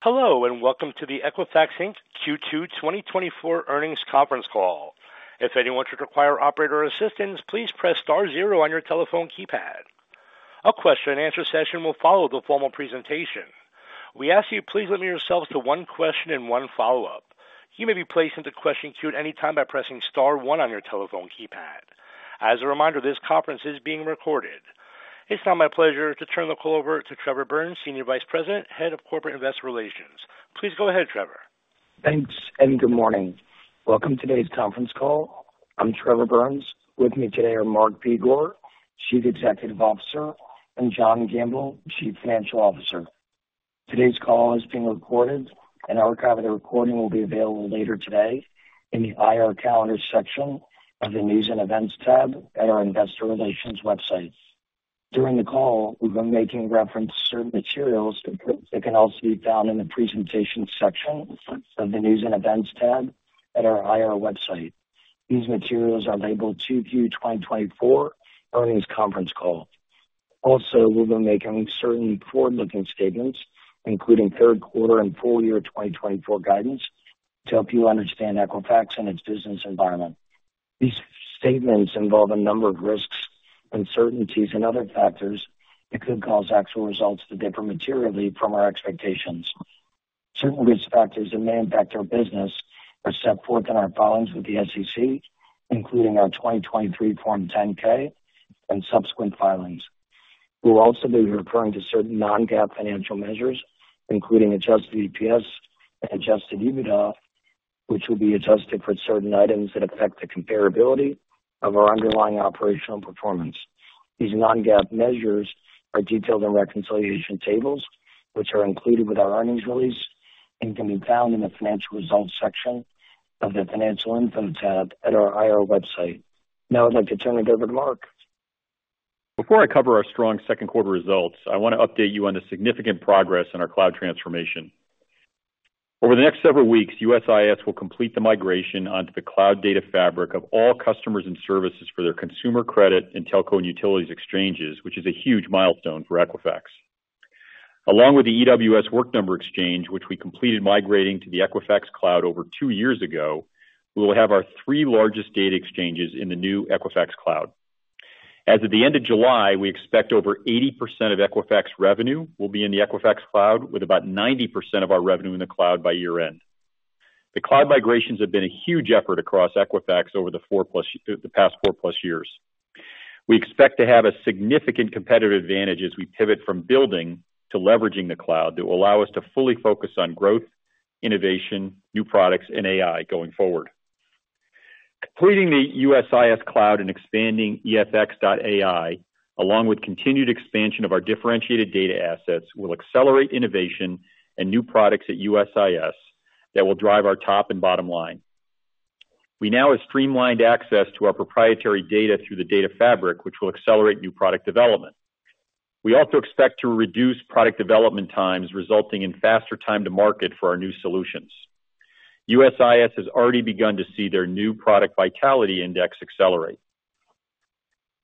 Hello, and welcome to the Equifax Inc. Q2 2024 earnings conference call. If anyone should require operator assistance, please press star zero on your telephone keypad. A question-and-answer session will follow the formal presentation. We ask you, please limit yourselves to one question and one follow-up. You may be placed into question queue at any time by pressing star one on your telephone keypad. As a reminder, this conference is being recorded. It's now my pleasure to turn the call over to Trevor Burns, Senior Vice President, Head of Corporate Investor Relations. Please go ahead, Trevor. Thanks, and good morning. Welcome to today's conference call. I'm Trevor Burns. With me today are Mark Begor, Chief Executive Officer, and John Gamble, Chief Financial Officer. Today's call is being recorded, and an archive of the recording will be available later today in the IR Calendar section of the News and Events tab at our Investor Relations website. During the call, we've been making reference to certain materials that can also be found in the Presentation section of the News and Events tab at our IR website. These materials are labeled Q2 2024 Earnings Conference Call. Also, we'll be making certain forward-looking statements, including third quarter and full year 2024 guidance, to help you understand Equifax and its business environment. These statements involve a number of risks, uncertainties, and other factors that could cause actual results to differ materially from our expectations. Certain risk factors that may impact our business are set forth in our filings with the SEC, including our 2023 Form 10-K and subsequent filings. We'll also be referring to certain non-GAAP financial measures, including adjusted EPS and adjusted EBITDA, which will be adjusted for certain items that affect the comparability of our underlying operational performance. These non-GAAP measures are detailed in reconciliation tables, which are included with our earnings release and can be found in the Financial Results section of the Financial Info tab at our IR website. Now I'd like to turn it over to Mark. Before I cover our strong second quarter results, I want to update you on the significant progress in our cloud transformation. Over the next several weeks, USIS will complete the migration onto the Cloud Data Fabric of all customers and services for their consumer credit and telco and utilities exchanges, which is a huge milestone for Equifax. Along with the EWS Work Number exchange, which we completed migrating to the Equifax Cloud over 2 years ago, we will have our 3 largest data exchanges in the new Equifax Cloud. As of the end of July, we expect over 80% of Equifax revenue will be in the Equifax Cloud, with about 90% of our revenue in the cloud by year-end. The cloud migrations have been a huge effort across Equifax over the past 4+ years. We expect to have a significant competitive advantage as we pivot from building to leveraging the cloud that will allow us to fully focus on growth, innovation, new products, and AI going forward. Completing the USIS cloud and expanding EFX.AI, along with continued expansion of our differentiated data assets, will accelerate innovation and new products at USIS that will drive our top and bottom line. We now have streamlined access to our proprietary data through the Data Fabric, which will accelerate new product development. We also expect to reduce product development times, resulting in faster time to market for our new solutions. USIS has already begun to see their new product Vitality Index accelerate.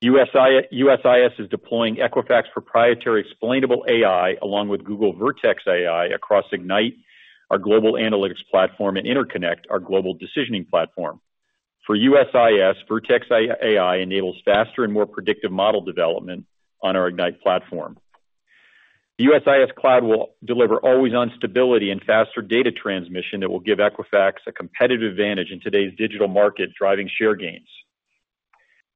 USIS is deploying Equifax proprietary explainable AI along with Google Vertex AI across Ignite, our global analytics platform, and InterConnect, our global decisioning platform. For USIS, Vertex AI enables faster and more predictive model development on our Ignite platform. The USIS cloud will deliver always-on stability and faster data transmission that will give Equifax a competitive advantage in today's digital market, driving share gains.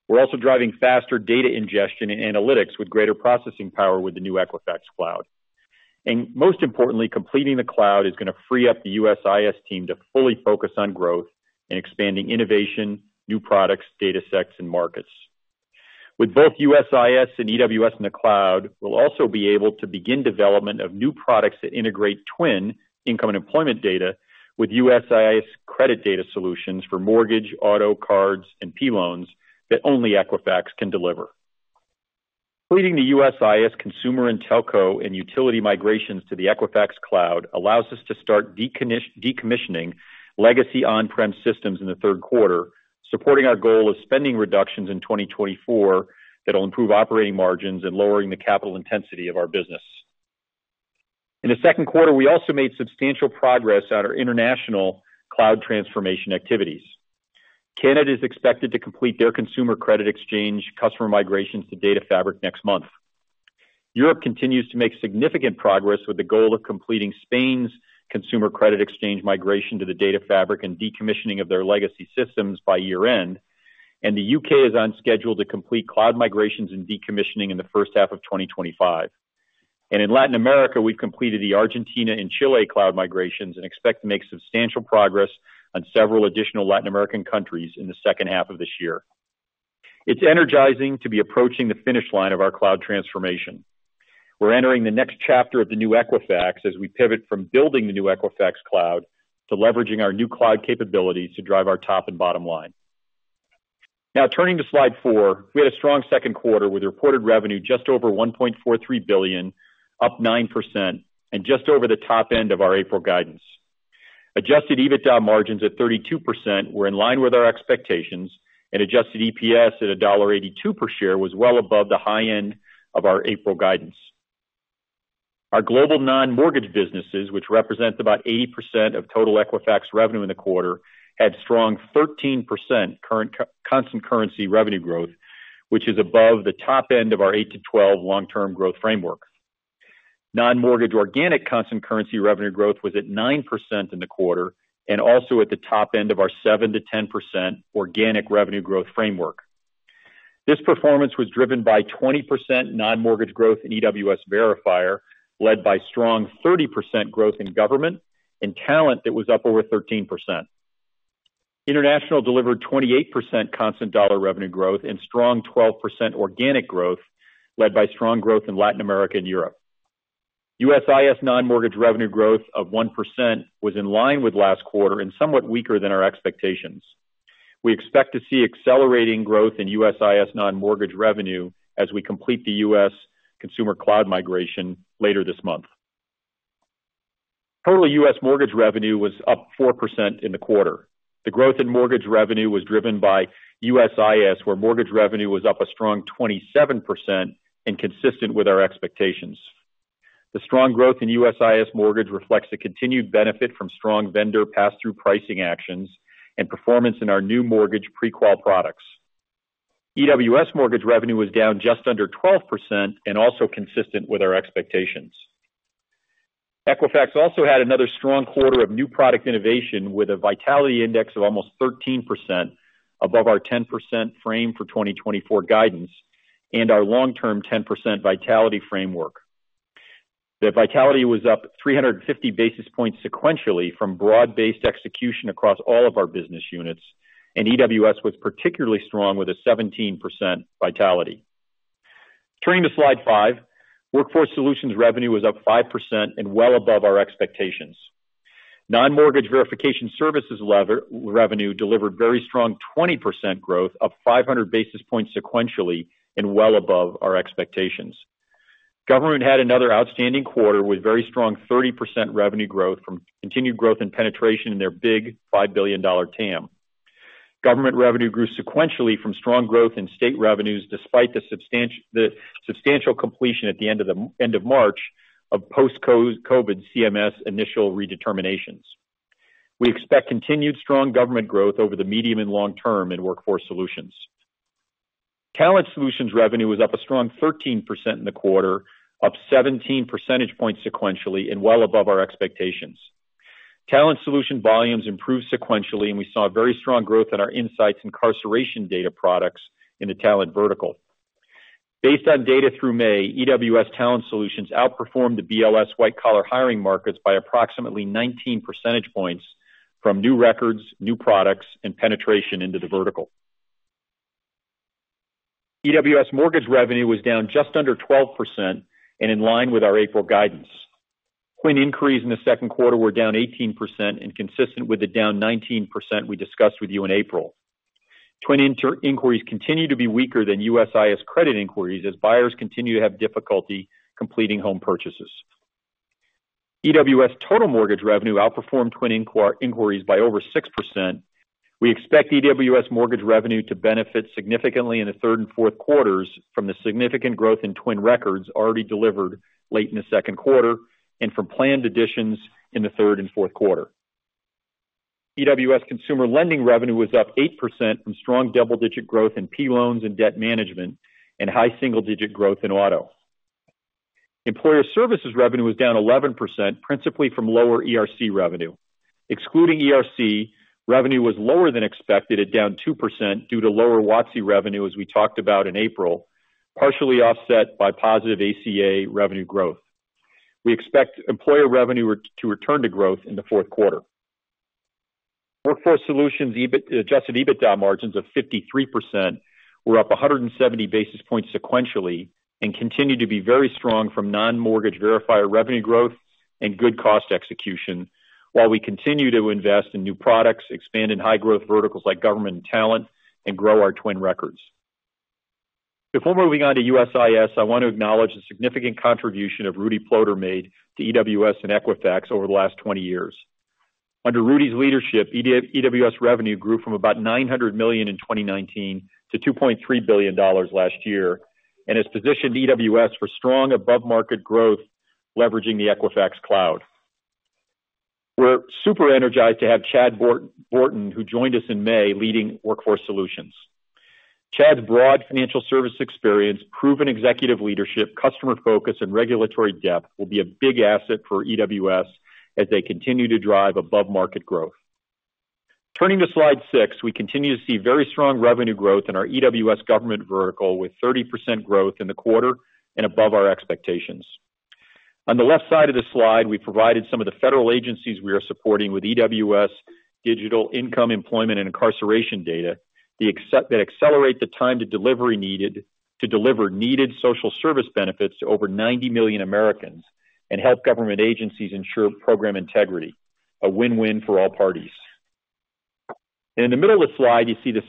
We're also driving faster data ingestion and analytics with greater processing power with the new Equifax cloud. Most importantly, completing the cloud is going to free up the USIS team to fully focus on growth and expanding innovation, new products, data sets, and markets. With both USIS and EWS in the cloud, we'll also be able to begin development of new products that integrate TWN income and employment data with USIS credit data solutions for Mortgage, Muto, cards, and P-loans that only Equifax can deliver. Completing the USIS consumer and telco and utility migrations to the Equifax Cloud allows us to start decommissioning legacy on-prem systems in the third quarter, supporting our goal of spending reductions in 2024 that will improve operating margins and lowering the capital intensity of our business. In the second quarter, we also made substantial progress on our international cloud transformation activities. Canada is expected to complete their consumer credit exchange customer migrations to Data Fabric next month. Europe continues to make significant progress with the goal of completing Spain's consumer credit exchange migration to the Data Fabric and decommissioning of their legacy systems by year-end, and the UK is on schedule to complete cloud migrations and decommissioning in the first half of 2025. In Latin America, we've completed the Argentina and Chile cloud migrations and expect to make substantial progress on several additional Latin American countries in the second half of this year. It's energizing to be approaching the finish line of our cloud transformation. We're entering the next chapter of the new Equifax as we pivot from building the new Equifax Cloud to leveraging our new cloud capabilities to drive our top and bottom line. Now, turning to slide 4. We had a strong second quarter with reported revenue just over $1.43 billion, up 9% and just over the top end of our April guidance. Adjusted EBITDA margins at 32% were in line with our expectations, and adjusted EPS at $1.82 per share was well above the high end of our April guidance. Our global non-mortgage businesses, which represent about 80% of total Equifax revenue in the quarter, had strong 13% current constant currency revenue growth, which is above the top end of our 8-12% long-term growth framework. Non-mortgage organic constant currency revenue growth was at 9% in the quarter, and also at the top end of our 7-10% organic revenue growth framework. This performance was driven by 20% non-mortgage growth in EWS Verifier, led by strong 30% growth in Government and Talent that was up over 13%. International delivered 28% constant currency revenue growth and strong 12% organic growth, led by strong growth in Latin America and Europe. USIS non-mortgage revenue growth of 1% was in line with last quarter and somewhat weaker than our expectations. We expect to see accelerating growth in USIS non-mortgage revenue as we complete the US consumer cloud migration later this month. Total US mortgage revenue was up 4% in the quarter. The growth in mortgage revenue was driven by USIS, where mortgage revenue was up a strong 27% and consistent with our expectations. The strong growth in USIS mortgage reflects the continued benefit from strong vendor pass-through pricing actions and performance in our new mortgage pre-qual products. EWS mortgage revenue was down just under 12% and also consistent with our expectations. Equifax also had another strong quarter of new product innovation, with a Vitality Index of almost 13% above our 10% frame for 2024 guidance and our long-term 10% Vitality Index framework. The vitality was up 350 basis points sequentially from broad-based execution across all of our business units, and EWS was particularly strong with a 17% vitality. Turning to slide 5. Workforce Solutions revenue was up 5% and well above our expectations. Non-mortgage verification services leveraged revenue delivered very strong 20% growth of 500 basis points sequentially and well above our expectations. Government had another outstanding quarter with very strong 30% revenue growth from continued growth and penetration in their big $5 billion TAM. Government revenue grew sequentially from strong growth in state revenues, despite the substantial completion at the end of March of post-COVID CMS initial redeterminations. We expect continued strong government growth over the medium and long term in Workforce Solutions. Talent Solutions revenue was up a strong 13% in the quarter, up 17 percentage points sequentially and well above our expectations. Talent Solution volumes improved sequentially, and we saw very strong growth in our insights incarceration data products in the talent vertical. Based on data through May, EWS Talent Solutions outperformed the BLS white-collar hiring markets by approximately 19 percentage points from new records, new products, and penetration into the vertical. EWS mortgage revenue was down just under 12% and in line with our April guidance. TWN inquiries in the second quarter were down 18% and consistent with the down 19% we discussed with you in April. TWN inquiries continue to be weaker than USIS credit inquiries as buyers continue to have difficulty completing home purchases. EWS total mortgage revenue outperformed twin inquiries by over 6%. We expect EWS mortgage revenue to benefit significantly in the third and fourth quarters from the significant growth in twin records already delivered late in the second quarter and from planned additions in the third and fourth quarter. EWS consumer lending revenue was up 8% from strong double-digit growth in P-loans and debt management and high single-digit growth in auto. Employer services revenue was down 11%, principally from lower ERC revenue. Excluding ERC, revenue was lower than expected at down 2% due to lower WOTC revenue, as we talked about in April, partially offset by positive ACA revenue growth. We expect Employer revenue to return to growth in the fourth quarter. Workforce Solutions adjusted EBITDA margins of 53% were up 170 basis points sequentially and continue to be very strong from non-mortgage verifier revenue growth and good cost execution, while we continue to invest in new products, expand in high growth verticals like government and talent, and grow our twin records. Before moving on to USIS, I want to acknowledge the significant contribution of Rudy Ploder made to EWS and Equifax over the last 20 years. Under Rudy's leadership, EWS revenue grew from about $900 million in 2019 to $2.3 billion last year and has positioned EWS for strong above-market growth, leveraging the Equifax Cloud. We're super energized to have Chad Borton, who joined us in May, leading Workforce Solutions. Chad's broad financial service experience, proven executive leadership, customer focus, and regulatory depth will be a big asset for EWS as they continue to drive above-market growth. Turning to slide 6, we continue to see very strong revenue growth in our EWS government vertical, with 30% growth in the quarter and above our expectations. On the left side of this slide, we provided some of the federal agencies we are supporting with EWS digital income, employment, and incarceration data, the access that accelerate the time to delivery needed to deliver needed social service benefits to over 90 million Americans and help government agencies ensure program integrity, a win-win for all parties. In the middle of the slide, you see the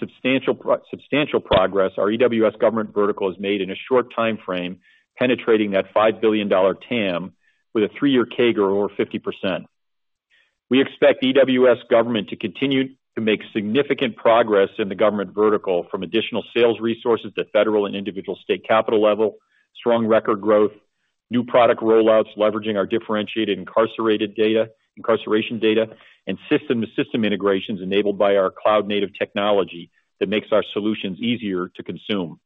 substantial progress our EWS government vertical has made in a short time frame, penetrating that $5 billion TAM with a 3-year CAGR over 50%. We expect EWS government to continue to make significant progress in the government vertical from additional sales resources to federal and individual state capital level, strong record growth, new product rollouts leveraging our differentiated incarceration data, and system-to-system integrations enabled by our cloud-native technology that makes our solutions easier to consume.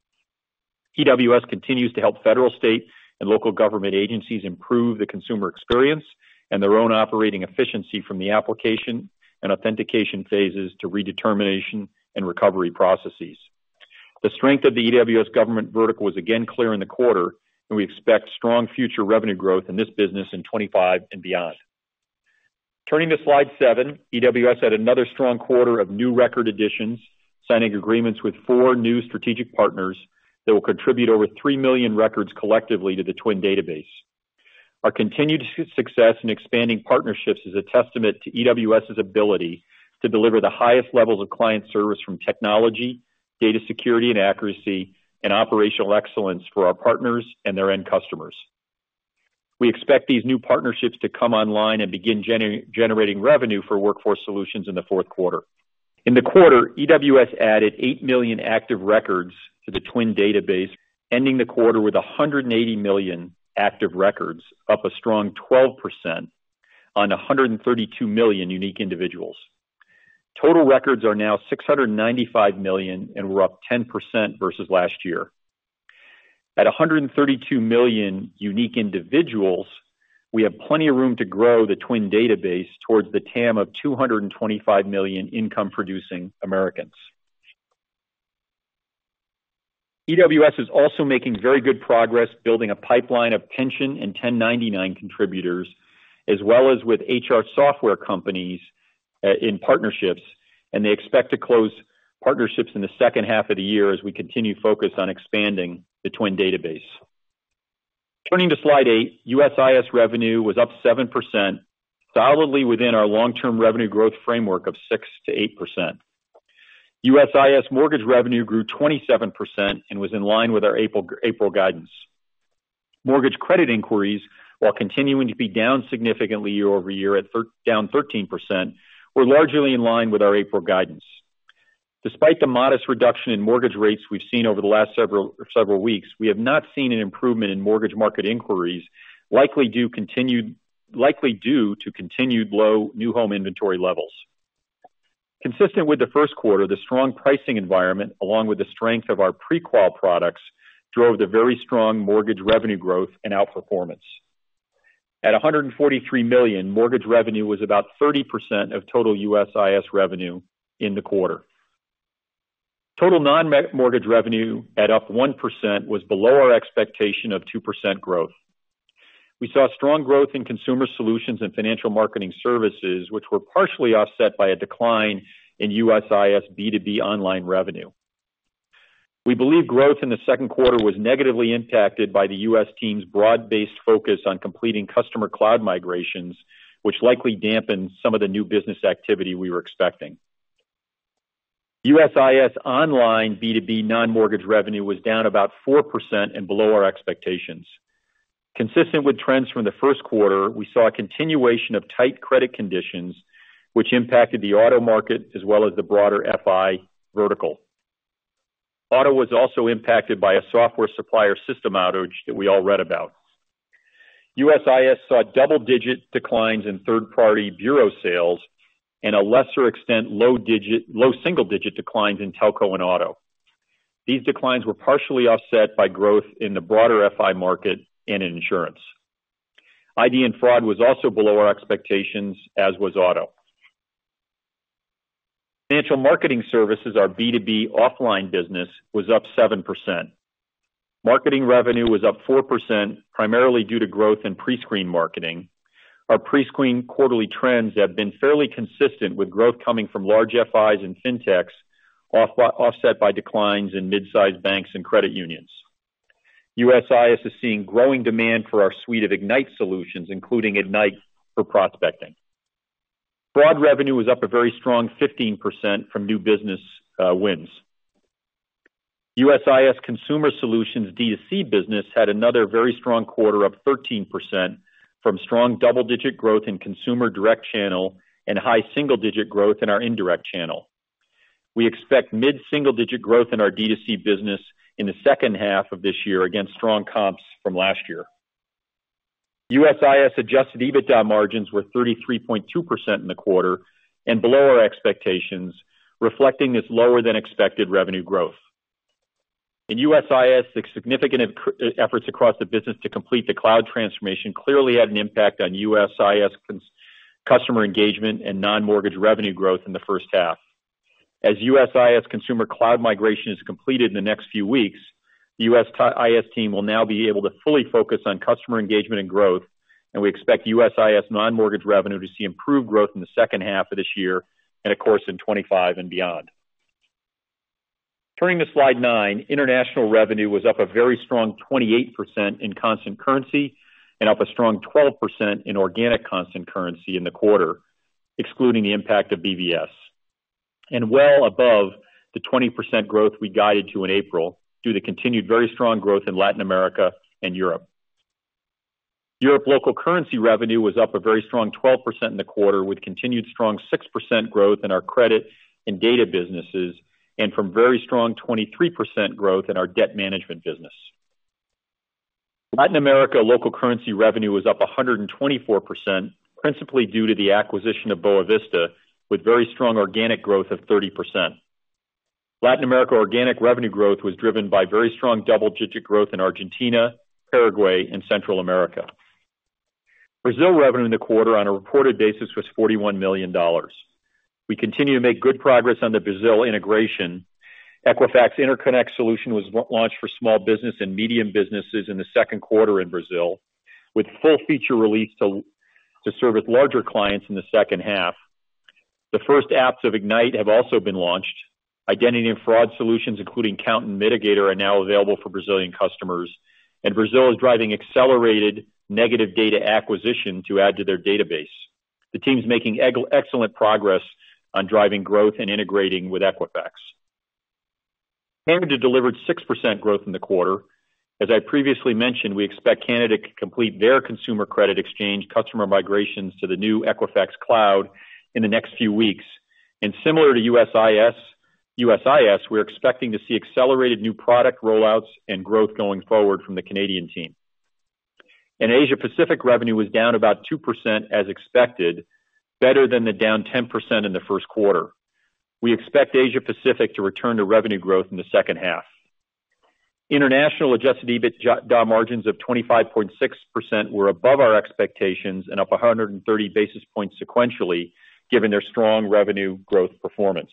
EWS continues to help federal, state, and local government agencies improve the consumer experience and their own operating efficiency from the application and authentication phases to redetermination and recovery processes. The strength of the EWS government vertical was again clear in the quarter, and we expect strong future revenue growth in this business in 2025 and beyond. Turning to slide 7, EWS had another strong quarter of new record additions, signing agreements with 4 new strategic partners that will contribute over 3 million records collectively to the Twin database. Our continued success in expanding partnerships is a testament to EWS's ability to deliver the highest levels of client service from technology, data security and accuracy, and operational excellence for our partners and their end customers. We expect these new partnerships to come online and begin generating revenue for Workforce Solutions in the fourth quarter. In the quarter, EWS added 8 million active records to the Twin database, ending the quarter with 180 million active records, up a strong 12% on 132 million unique individuals. Total records are now 695 million, and we're up 10% versus last year. At 132 million unique individuals, we have plenty of room to grow the Twin database towards the TAM of 225 million income-producing Americans. EWS is also making very good progress building a pipeline of pension and 1099 contributors, as well as with HR software companies in partnerships, and they expect to close partnerships in the second half of the year as we continue focus on expanding the Twin database. Turning to slide 8, USIS revenue was up 7%, solidly within our long-term revenue growth framework of 6%-8%. USIS mortgage revenue grew 27% and was in line with our April guidance. Mortgage credit inquiries, while continuing to be down significantly year over year at down 13%, were largely in line with our April guidance. Despite the modest reduction in mortgage rates we've seen over the last several weeks, we have not seen an improvement in mortgage market inquiries, likely due to continued low new home inventory levels. Consistent with the first quarter, the strong pricing environment, along with the strength of our pre-qual products, drove the very strong mortgage revenue growth and outperformance. At $143 million, mortgage revenue was about 30% of total USIS revenue in the quarter. Total non-mortgage revenue, up 1%, was below our expectation of 2% growth. We saw strong growth in consumer solutions and financial marketing services, which were partially offset by a decline in USIS B2B online revenue. We believe growth in the second quarter was negatively impacted by the U.S. team's broad-based focus on completing customer cloud migrations, which likely dampened some of the new business activity we were expecting. USIS online B2B non-mortgage revenue was down about 4% and below our expectations. Consistent with trends from the first quarter, we saw a continuation of tight credit conditions, which impacted the auto market as well as the broader FI vertical. Auto was also impacted by a software supplier system outage that we all read about. USIS saw double-digit declines in third-party bureau sales and, to a lesser extent, low single-digit declines in telco and auto. These declines were partially offset by growth in the broader FI market and in insurance. ID and fraud was also below our expectations, as was auto. Financial marketing services, our B2B offline business, was up 7%. Marketing revenue was up 4%, primarily due to growth in pre-screened marketing. Our pre-screened quarterly trends have been fairly consistent with growth coming from large FIs and fintechs, offset by declines in mid-sized banks and credit unions. USIS is seeing growing demand for our suite of Ignite solutions, including Ignite for prospecting. Broad revenue was up a very strong 15% from new business wins. USIS Consumer Solutions D2C business had another very strong quarter, up 13%, from strong double-digit growth in consumer direct channel and high single-digit growth in our indirect channel. We expect mid-single-digit growth in our D2C business in the second half of this year against strong comps from last year. USIS adjusted EBITDA margins were 33.2% in the quarter and below our expectations, reflecting this lower than expected revenue growth. In USIS, the significant efforts across the business to complete the cloud transformation clearly had an impact on USIS customer engagement and non-mortgage revenue growth in the first half. As USIS consumer cloud migration is completed in the next few weeks, the USIS team will now be able to fully focus on customer engagement and growth, and we expect USIS non-mortgage revenue to see improved growth in the second half of this year and of course, in 2025 and beyond. Turning to Slide 9, international revenue was up a very strong 28% in constant currency and up a strong 12% in organic constant currency in the quarter, excluding the impact of BVS, and well above the 20% growth we guided to in April, due to continued very strong growth in Latin America and Europe. Europe local currency revenue was up a very strong 12% in the quarter, with continued strong 6% growth in our credit and data businesses, and from very strong 23% growth in our debt management business. Latin America local currency revenue was up 124%, principally due to the acquisition of Boa Vista, with very strong organic growth of 30%. Latin America organic revenue growth was driven by very strong double-digit growth in Argentina, Paraguay and Central America. Brazil revenue in the quarter on a reported basis was $41 million. We continue to make good progress on the Brazil integration. Equifax Interconnect solution was launched for small business and medium businesses in the second quarter in Brazil, with full feature release to serve its larger clients in the second half. The first apps of Ignite have also been launched. Identity and fraud solutions, including Kount and Midigator, are now available for Brazilian customers, and Brazil is driving accelerated negative data acquisition to add to their database. The team's making excellent progress on driving growth and integrating with Equifax. Canada delivered 6% growth in the quarter. As I previously mentioned, we expect Canada to complete their consumer credit exchange customer migrations to the new Equifax Cloud in the next few weeks. And similar to USIS, we're expecting to see accelerated new product rollouts and growth going forward from the Canadian team. In Asia Pacific, revenue was down about 2% as expected, better than the down 10% in the first quarter. We expect Asia Pacific to return to revenue growth in the second half. International adjusted EBITDA margins of 25.6% were above our expectations and up 130 basis points sequentially, given their strong revenue growth performance.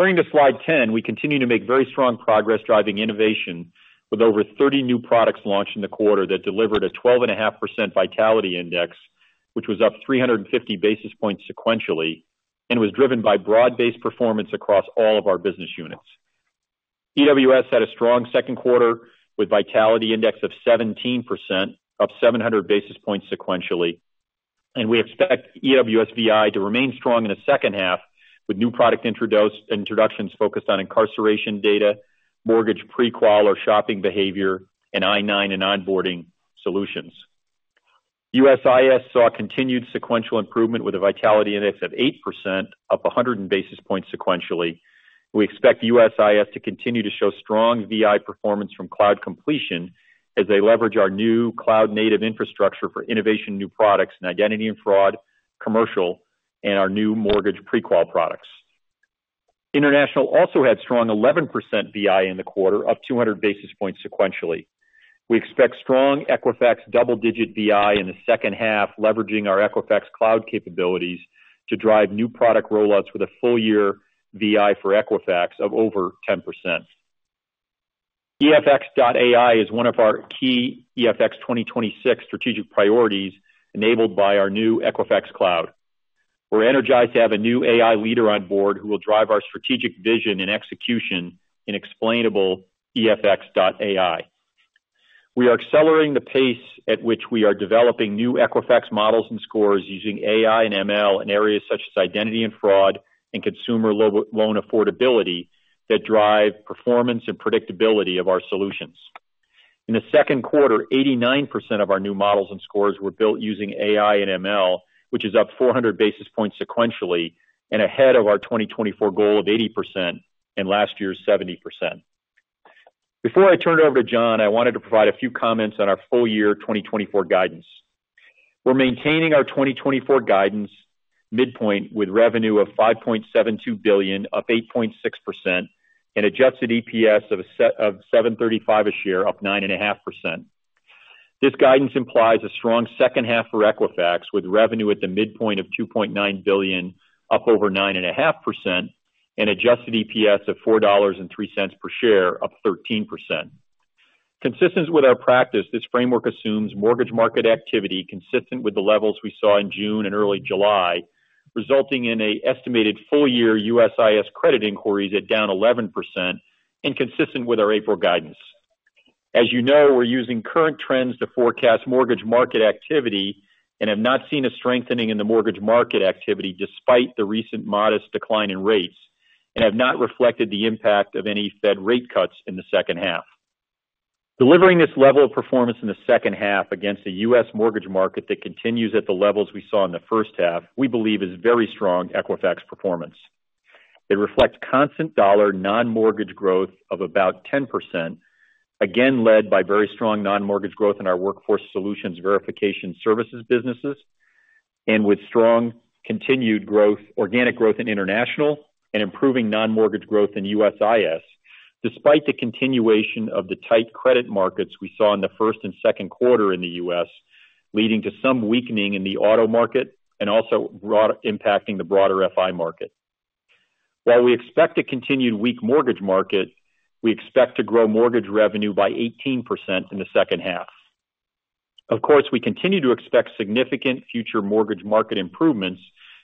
Turning to Slide 10, we continue to make very strong progress driving innovation with over 30 new products launched in the quarter that delivered a 12.5% vitality index, which was up 350 basis points sequentially and was driven by broad-based performance across all of our business units. EWS had a strong second quarter with vitality index of 17%, up 700 basis points sequentially, and we expect EWS VI to remain strong in the second half, with new product introductions focused on incarceration data, mortgage pre-qual or shopping behavior, and I-9 and onboarding solutions. USIS saw continued sequential improvement with a vitality index of 8%, up 100 basis points sequentially. We expect USIS to continue to show strong VI performance from cloud completion as they leverage our new cloud native infrastructure for innovation, new products and identity and fraud, commercial, and our new mortgage pre-qual products. International also had strong 11% VI in the quarter, up 200 basis points sequentially. We expect strong Equifax double-digit VI in the second half, leveraging our Equifax cloud capabilities to drive new product rollouts with a full year VI for Equifax of over 10%. EFX.AI is one of our key EFX 2026 strategic priorities, enabled by our new Equifax Cloud. We're energized to have a new AI leader on board who will drive our strategic vision and execution in explainable EFX.AI. We are accelerating the pace at which we are developing new Equifax models and scores using AI and ML in areas such as identity and fraud and consumer loan affordability, that drive performance and predictability of our solutions. In the second quarter, 89% of our new models and scores were built using AI and ML, which is up 400 basis points sequentially and ahead of our 2024 goal of 80% and last year's 70%. Before I turn it over to John, I wanted to provide a few comments on our full year 2024 guidance. We're maintaining our 2024 guidance midpoint with revenue of $5.72 billion, up 8.6%, and adjusted EPS of 7.35 a share, up 9.5%. This guidance implies a strong second half for Equifax, with revenue at the midpoint of $2.9 billion, up over 9.5%, and adjusted EPS of $4.03 per share, up 13%. Consistent with our practice, this framework assumes mortgage market activity consistent with the levels we saw in June and early July, resulting in an estimated full year USIS credit inquiries at down 11% and consistent with our April guidance. As you know, we're using current trends to forecast mortgage market activity and have not seen a strengthening in the mortgage market activity despite the recent modest decline in rates, and have not reflected the impact of any Fed rate cuts in the second half. Delivering this level of performance in the second half against the US mortgage market that continues at the levels we saw in the first half, we believe is very strong Equifax performance. It reflects constant dollar non-mortgage growth of about 10%, again, led by very strong non-mortgage growth in our workforce solutions verification services businesses, and with strong continued growth, organic growth in international and improving non-mortgage growth in USIS, despite the continuation of the tight credit markets we saw in the first and second quarter in the US, leading to some weakening in the auto market and also broadly impacting the broader FI market. While we expect a continued weak mortgage market, we expect to grow mortgage revenue by 18% in the second half. Of course, we continue to expect significant future mortgage market improvements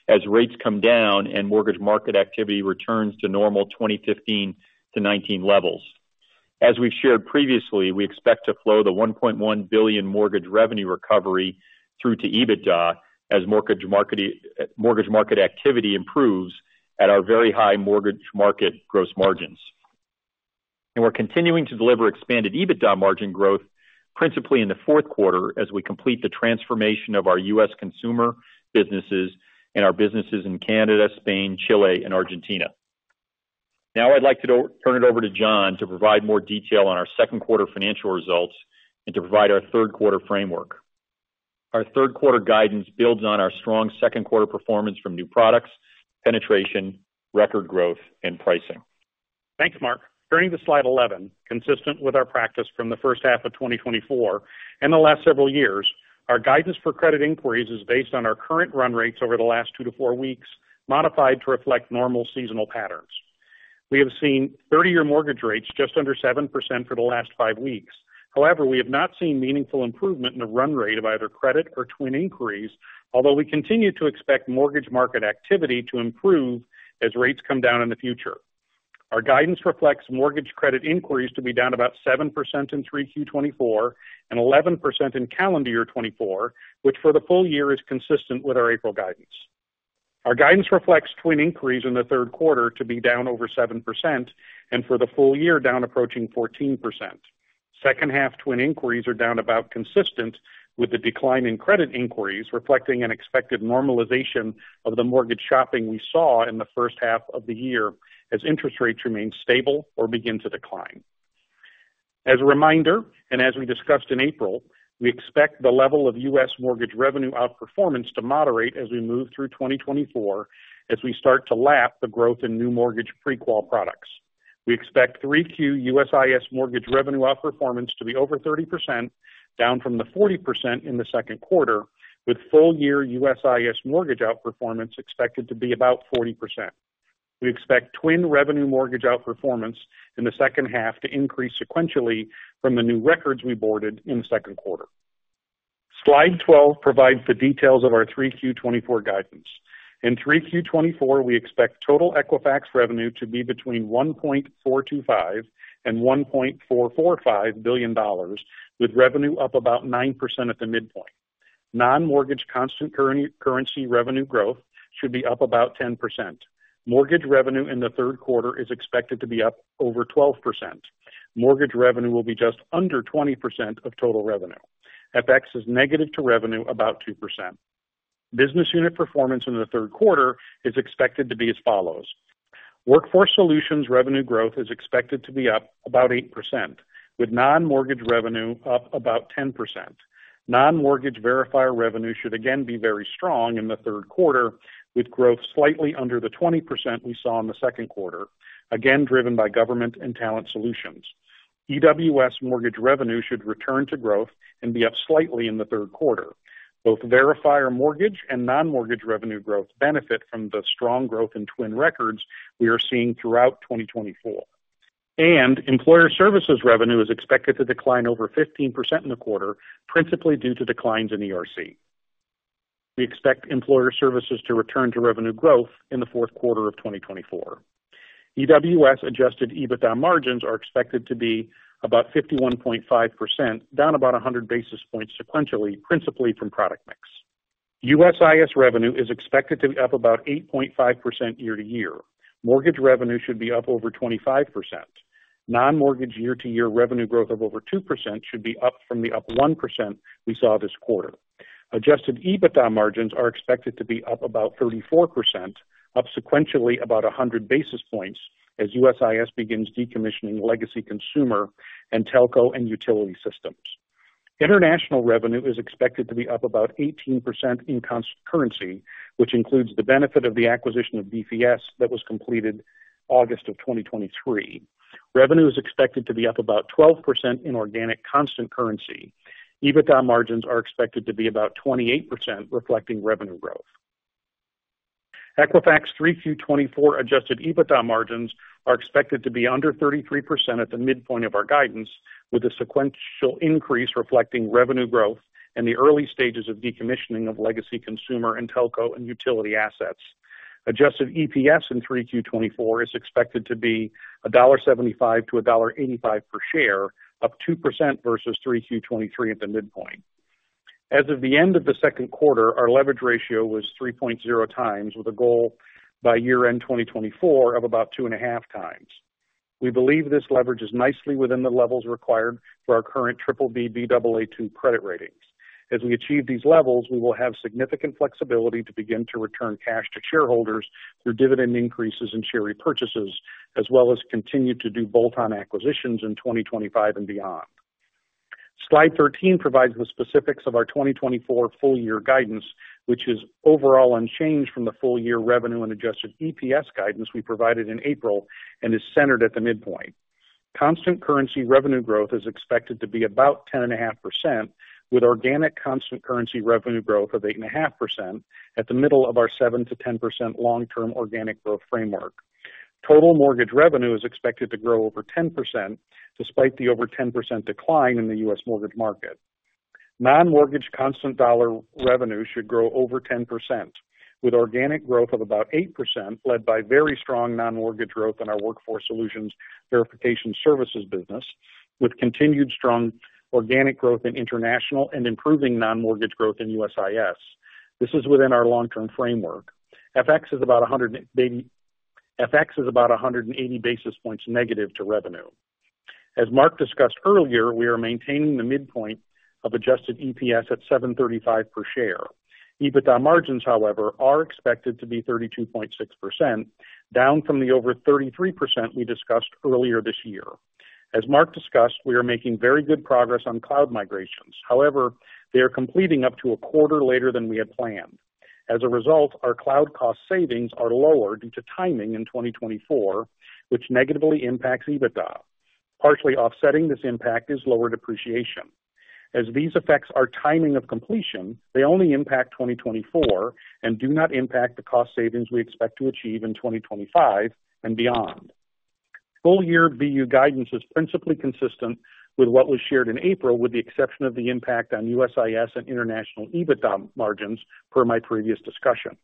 as rates come down and mortgage market activity returns to normal 2015-2019 levels. As we've shared previously, we expect to flow the $1.1 billion mortgage revenue recovery through to EBITDA as mortgage market activity improves at our very high mortgage market gross margins. We're continuing to deliver expanded EBITDA margin growth, principally in the fourth quarter, as we complete the transformation of our U.S. consumer businesses and our businesses in Canada, Spain, Chile and Argentina. Now I'd like to turn it over to John to provide more detail on our second quarter financial results and to provide our third quarter framework. Our third quarter guidance builds on our strong second quarter performance from new products, penetration, record growth and pricing. Thanks, Mark. Turning to slide 11. Consistent with our practice from the first half of 2024 and the last several years, our guidance for credit inquiries is based on our current run rates over the last 2-4 weeks, modified to reflect normal seasonal patterns. We have seen 30-year mortgage rates just under 7% for the last 5 weeks. However, we have not seen meaningful improvement in the run rate of either credit or twin inquiries, although we continue to expect mortgage market activity to improve as rates come down in the future. Our guidance reflects mortgage credit inquiries to be down about 7% in 3Q 2024 and 11% in calendar year 2024, which for the full year is consistent with our April guidance. Our guidance reflects twin inquiries in the third quarter to be down over 7% and for the full year down approaching 14%. Second half twin inquiries are down about consistent with the decline in credit inquiries, reflecting an expected normalization of the mortgage shopping we saw in the first half of the year, as interest rates remain stable or begin to decline. As a reminder, and as we discussed in April, we expect the level of US mortgage revenue outperformance to moderate as we move through 2024, as we start to lap the growth in new mortgage pre-qual products. We expect 3Q USIS mortgage revenue outperformance to be over 30%, down from the 40% in the second quarter, with full year USIS mortgage outperformance expected to be about 40%. We expect twin revenue mortgage outperformance in the second half to increase sequentially from the new records we boarded in the second quarter. Slide 12 provides the details of our 3Q 2024 guidance. In 3Q 2024, we expect total Equifax revenue to be between $1.425 billion and $1.445 billion, with revenue up about 9% at the midpoint. Non-mortgage constant currency revenue growth should be up about 10%. Mortgage revenue in the third quarter is expected to be up over 12%. Mortgage revenue will be just under 20% of total revenue. FX is negative to revenue, about 2%. Business unit performance in the third quarter is expected to be as follows: Workforce Solutions revenue growth is expected to be up about 8%, with non-mortgage revenue up about 10%. Non-mortgage verifier revenue should again be very strong in the third quarter, with growth slightly under the 20% we saw in the second quarter, again driven by government and talent solutions. EWS mortgage revenue should return to growth and be up slightly in the third quarter. Both verifier mortgage and non-mortgage revenue growth benefit from the strong growth in twin records we are seeing throughout 2024. Employer services revenue is expected to decline over 15% in the quarter, principally due to declines in ERC. We expect employer services to return to revenue growth in the fourth quarter of 2024. EWS adjusted EBITDA margins are expected to be about 51.5%, down about 100 basis points sequentially, principally from product mix. USIS revenue is expected to be up about 8.5% year-over-year. Mortgage revenue should be up over 25%. Non-mortgage year-to-year revenue growth of over 2% should be up from the up 1% we saw this quarter. Adjusted EBITDA margins are expected to be up about 34%, up sequentially about 100 basis points as USIS begins decommissioning legacy consumer and telco and utility systems. International revenue is expected to be up about 18% in constant currency, which includes the benefit of the acquisition of BVS that was completed August of 2023. Revenue is expected to be up about 12% in organic constant currency. EBITDA margins are expected to be about 28%, reflecting revenue growth. Equifax 3Q 2024 Adjusted EBITDA margins are expected to be under 33% at the midpoint of our guidance, with a sequential increase reflecting revenue growth and the early stages of decommissioning of legacy consumer and telco and utility assets. Adjusted EPS in 3Q 2024 is expected to be $1.75-$1.85 per share, up 2% versus 3Q 2023 at the midpoint. As of the end of the second quarter, our leverage ratio was 3.0 times, with a goal by year-end 2024 of about 2.5 times. We believe this leverage is nicely within the levels required for our current BBB Baa2 credit ratings. As we achieve these levels, we will have significant flexibility to begin to return cash to shareholders through dividend increases and share repurchases, as well as continue to do bolt-on acquisitions in 2025 and beyond. Slide 13 provides the specifics of our 2024 full year guidance, which is overall unchanged from the full year revenue and adjusted EPS guidance we provided in April and is centered at the midpoint. Constant currency revenue growth is expected to be about 10.5%, with organic constant currency revenue growth of 8.5% at the middle of our 7%-10% long-term organic growth framework. Total mortgage revenue is expected to grow over 10%, despite the over 10% decline in the U.S. mortgage market. Non-mortgage constant dollar revenue should grow over 10%, with organic growth of about 8%, led by very strong non-mortgage growth in our workforce solutions verification services business, with continued strong organic growth in international and improving non-mortgage growth in USIS. This is within our long-term framework. FX is about 180 basis points negative to revenue. As Mark discussed earlier, we are maintaining the midpoint of adjusted EPS at 7.35 per share. EBITDA margins, however, are expected to be 32.6%, down from the over 33% we discussed earlier this year. As Mark discussed, we are making very good progress on cloud migrations. However, they are completing up to a quarter later than we had planned. As a result, our cloud cost savings are lower due to timing in 2024, which negatively impacts EBITDA. Partially offsetting this impact is lower depreciation. As these effects are timing of completion, they only impact 2024 and do not impact the cost savings we expect to achieve in 2025 and beyond. Full year VU guidance is principally consistent with what was shared in April, with the exception of the impact on USIS and international EBITDA margins, per my previous discussion.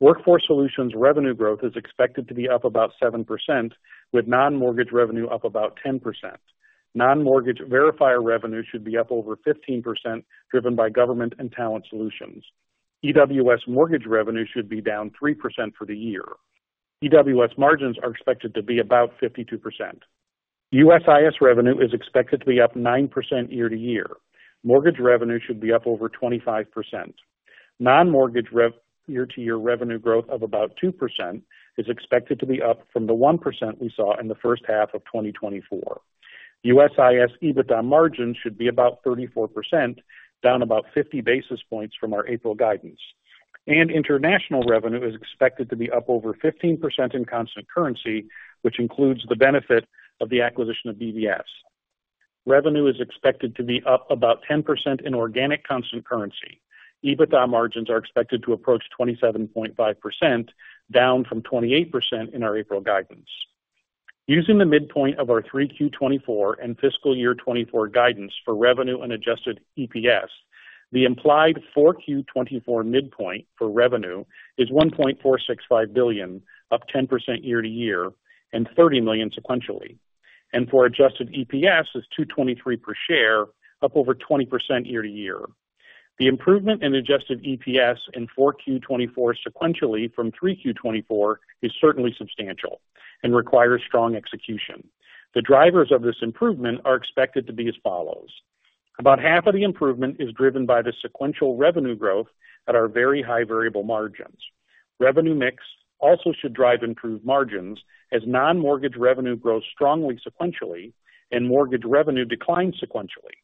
Workforce Solutions revenue growth is expected to be up about 7%, with non-mortgage revenue up about 10%. Non-mortgage verifier revenue should be up over 15%, driven by government and talent solutions. EWS mortgage revenue should be down 3% for the year. EWS margins are expected to be about 52%. USIS revenue is expected to be up 9% year-over-year. Mortgage revenue should be up over 25%. Non-mortgage revenue year-to-year revenue growth of about 2% is expected to be up from the 1% we saw in the first half of 2024. USIS EBITDA margins should be about 34%, down about 50 basis points from our April guidance. International revenue is expected to be up over 15% in constant currency, which includes the benefit of the acquisition of BVS. Revenue is expected to be up about 10% in organic constant currency. EBITDA margins are expected to approach 27.5%, down from 28% in our April guidance. Using the midpoint of our 3Q 2024 and fiscal year 2024 guidance for revenue and adjusted EPS, the implied 4Q 2024 midpoint for revenue is $1.465 billion, up 10% year-to-year, and $30 million sequentially. For adjusted EPS is $2.23 per share, up over 20% year-over-year. The improvement in adjusted EPS in 4Q 2024 sequentially from 3Q 2024 is certainly substantial and requires strong execution. The drivers of this improvement are expected to be as follows: About half of the improvement is driven by the sequential revenue growth at our very high variable margins. Revenue mix also should drive improved margins as non-mortgage revenue grows strongly sequentially and mortgage revenue declines sequentially.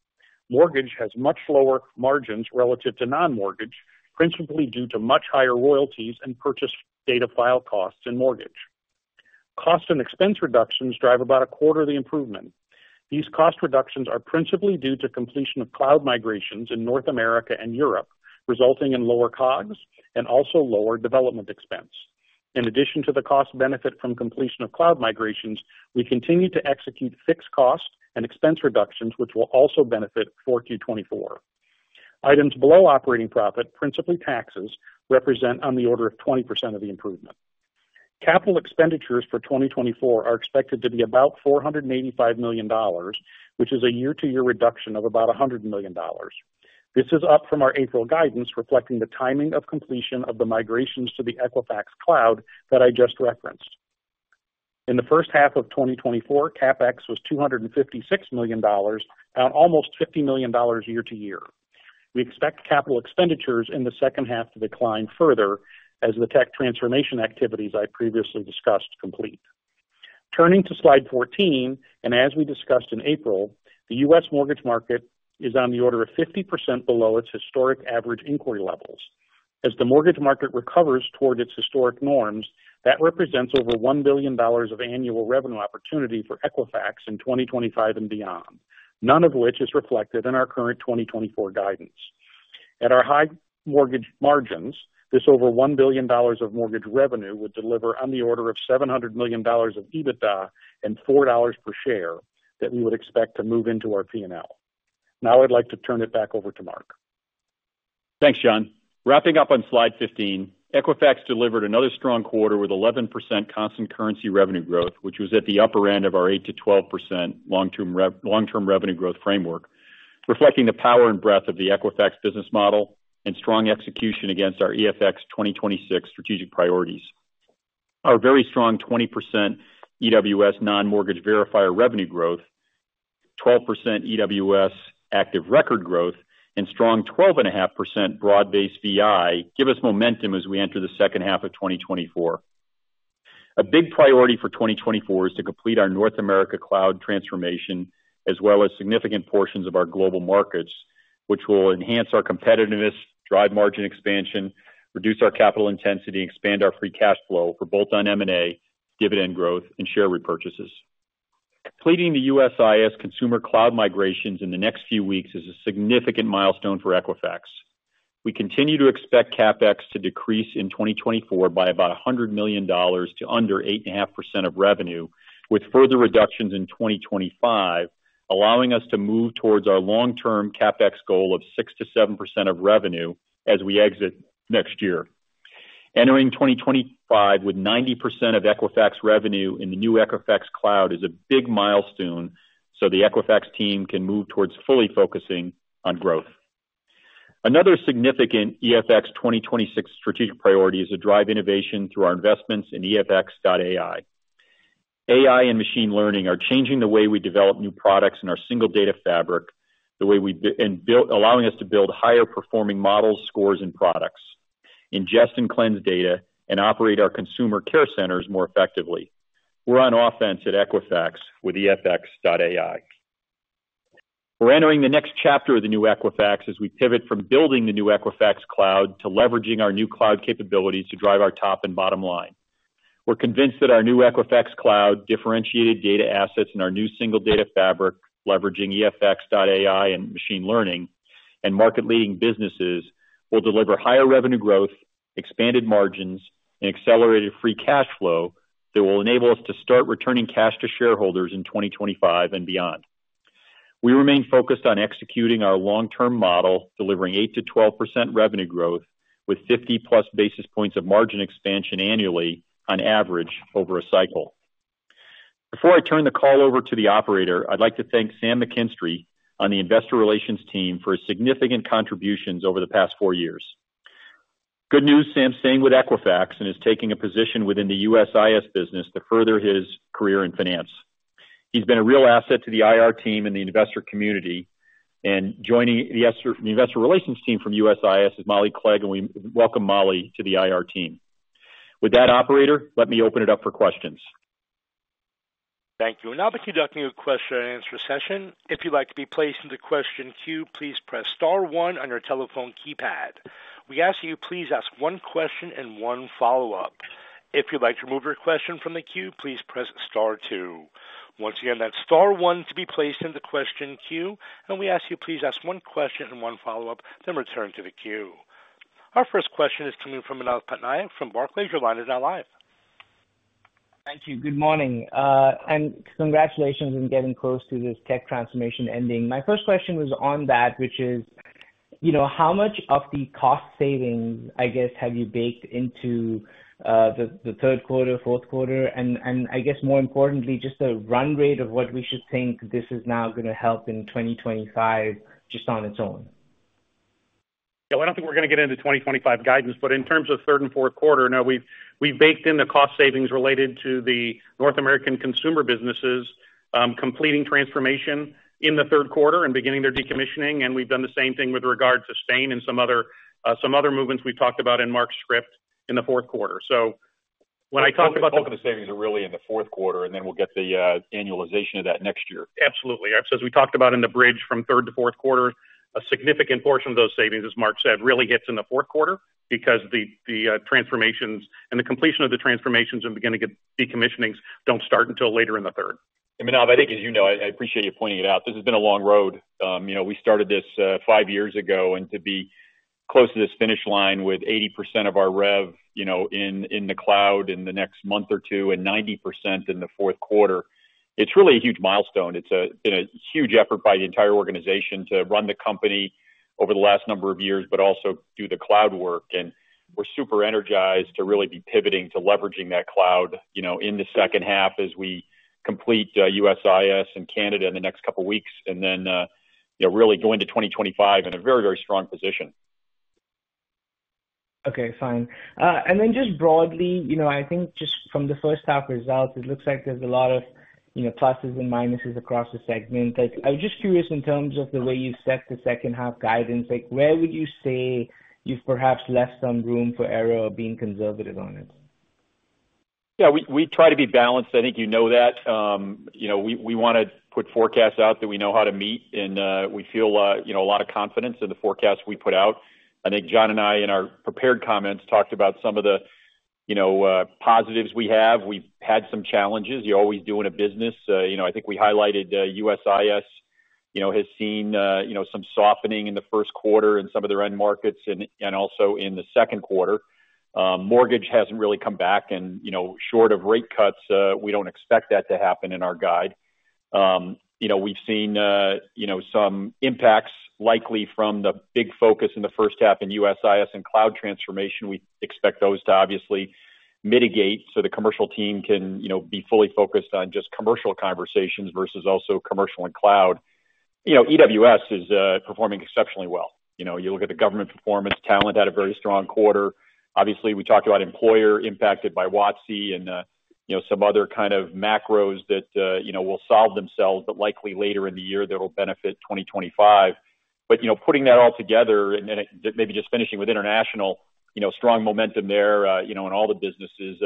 Mortgage has much lower margins relative to non-mortgage, principally due to much higher royalties and purchase data file costs in mortgage. Cost and expense reductions drive about a quarter of the improvement. These cost reductions are principally due to completion of cloud migrations in North America and Europe, resulting in lower COGS and also lower development expense. In addition to the cost benefit from completion of cloud migrations, we continue to execute fixed costs and expense reductions, which will also benefit Q4 2024. Items below operating profit, principally taxes, represent on the order of 20% of the improvement. Capital expenditures for 2024 are expected to be about $485 million, which is a year-to-year reduction of about $100 million. This is up from our April guidance, reflecting the timing of completion of the migrations to the Equifax Cloud that I just referenced. In the first half of 2024, CapEx was $256 million, down almost $50 million year to year. We expect capital expenditures in the second half to decline further as the tech transformation activities I previously discussed complete. Turning to slide 14, and as we discussed in April, the U.S. mortgage market is on the order of 50% below its historic average inquiry levels. As the mortgage market recovers toward its historic norms, that represents over $1 billion of annual revenue opportunity for Equifax in 2025 and beyond, none of which is reflected in our current 2024 guidance. At our high mortgage margins, this over $1 billion of mortgage revenue would deliver on the order of $700 million of EBITDA and $4 per share that we would expect to move into our P&L. Now I'd like to turn it back over to Mark. Thanks, John. Wrapping up on slide 15, Equifax delivered another strong quarter with 11% constant currency revenue growth, which was at the upper end of our 8%-12% long-term revenue growth framework, reflecting the power and breadth of the Equifax business model and strong execution against our EFX 2026 strategic priorities. Our very strong 20% EWS non-mortgage verifier revenue growth, 12% EWS active record growth, and strong 12.5% broad-based VI give us momentum as we enter the second half of 2024. A big priority for 2024 is to complete our North America cloud transformation, as well as significant portions of our global markets, which will enhance our competitiveness, drive margin expansion, reduce our capital intensity, and expand our free cash flow for both on M&A, dividend growth, and share repurchases. Completing the USIS consumer cloud migrations in the next few weeks is a significant milestone for Equifax. We continue to expect CapEx to decrease in 2024 by about $100 million to under 8.5% of revenue, with further reductions in 2025, allowing us to move towards our long-term CapEx goal of 6%-7% of revenue as we exit next year. Entering 2025 with 90% of Equifax revenue in the new Equifax cloud is a big milestone, so the Equifax team can move towards fully focusing on growth. Another significant EFX 2026 strategic priority is to drive innovation through our investments in EFX.AI. AI and machine learning are changing the way we develop new products in our single data fabric, the way we build allowing us to build higher performing models, scores and products, ingest and cleanse data, and operate our consumer care centers more effectively. We're on offense at Equifax with EFX.AI. We're entering the next chapter of the new Equifax as we pivot from building the new Equifax Cloud to leveraging our new cloud capabilities to drive our top and bottom line. We're convinced that our new Equifax Cloud differentiated data assets and our new single data fabric, leveraging EFX.AI and machine learning and market-leading businesses, will deliver higher revenue growth, expanded margins, and accelerated free cash flow that will enable us to start returning cash to shareholders in 2025 and beyond. We remain focused on executing our long-term model, delivering 8%-12% revenue growth with 50+ basis points of margin expansion annually on average over a cycle. Before I turn the call over to the operator, I'd like to thank Sam McKinstry on the investor relations team for his significant contributions over the past 4 years. Good news, Sam's staying with Equifax and is taking a position within the USIS business to further his career in finance. He's been a real asset to the IR team and the investor community, and joining the investor relations team from USIS is Molly Clegg, and we welcome Molly to the IR team. With that, operator, let me open it up for questions. Thank you. And now we're conducting a question and answer session. If you'd like to be placed in the question queue, please press star one on your telephone keypad. We ask you, please ask one question and one follow-up. If you'd like to remove your question from the queue, please press star two. Once again, that's star one to be placed in the question queue, and we ask you, please ask one question and one follow-up, then return to the queue. Our first question is coming from Manav Patnaik from Barclays. Your line is now live. Thank you. Good morning, and congratulations on getting close to this tech transformation ending. My first question was on that, which is, you know, how much of the cost savings, I guess, have you baked into the third quarter, fourth quarter? And I guess more importantly, just a run rate of what we should think this is now gonna help in 2025 just on its own. Yeah, I don't think we're gonna get into 2025 guidance, but in terms of third and fourth quarter, no, we've baked in the cost savings related to the North American consumer businesses completing transformation in the third quarter and beginning their decommissioning, and we've done the same thing with regard to Spain and some other movements we talked about in Mark's script in the fourth quarter. So when I talk about the- Most of the savings are really in the fourth quarter, and then we'll get the annualization of that next year. Absolutely. As we talked about in the bridge from third to fourth quarter, a significant portion of those savings, as Mark said, really hits in the fourth quarter because the transformations and the completion of the transformations and beginning of decommissioning don't start until later in the third. And Manav, I think as you know, I, I appreciate you pointing it out, this has been a long road. You know, we started this five years ago, and to be close to this finish line with 80% of our rev, you know, in the cloud in the next month or two, and 90% in the fourth quarter, it's really a huge milestone. It's been a huge effort by the entire organization to run the company over the last number of years, but also do the cloud work, and we're super energized to really be pivoting to leveraging that cloud, you know, in the second half as we complete USIS and Canada in the next couple of weeks, and then, you know, really go into 2025 in a very, very strong position. Okay, fine. Then just broadly, you know, I think just from the first half results, it looks like there's a lot of, you know, pluses and minuses across the segment. Like, I'm just curious in terms of the way you set the second half guidance, like, where would you say you've perhaps left some room for error or being conservative on it? Yeah, we try to be balanced. I think you know that. You know, we wanna put forecasts out that we know how to meet, and we feel, you know, a lot of confidence in the forecasts we put out. I think John and I, in our prepared comments, talked about some of the, you know, positives we have. We've had some challenges. You always do in a business. You know, I think we highlighted, USIS, you know, has seen, you know, some softening in the first quarter in some of their end markets and also in the second quarter. Mortgage hasn't really come back and, you know, short of rate cuts, we don't expect that to happen in our guide. You know, we've seen, you know, some impacts likely from the big focus in the first half in USIS and cloud transformation. We expect those to obviously mitigate so the commercial team can, you know, be fully focused on just commercial conversations versus also commercial and cloud. You know, EWS is performing exceptionally well. You know, you look at the government performance, Talent had a very strong quarter. Obviously, we talked about employer impacted by WOTC and, you know, some other kind of macros that, you know, will solve themselves, but likely later in the year, that will benefit 2025. But, you know, putting that all together and then maybe just finishing with international, you know, strong momentum there, you know, and all the businesses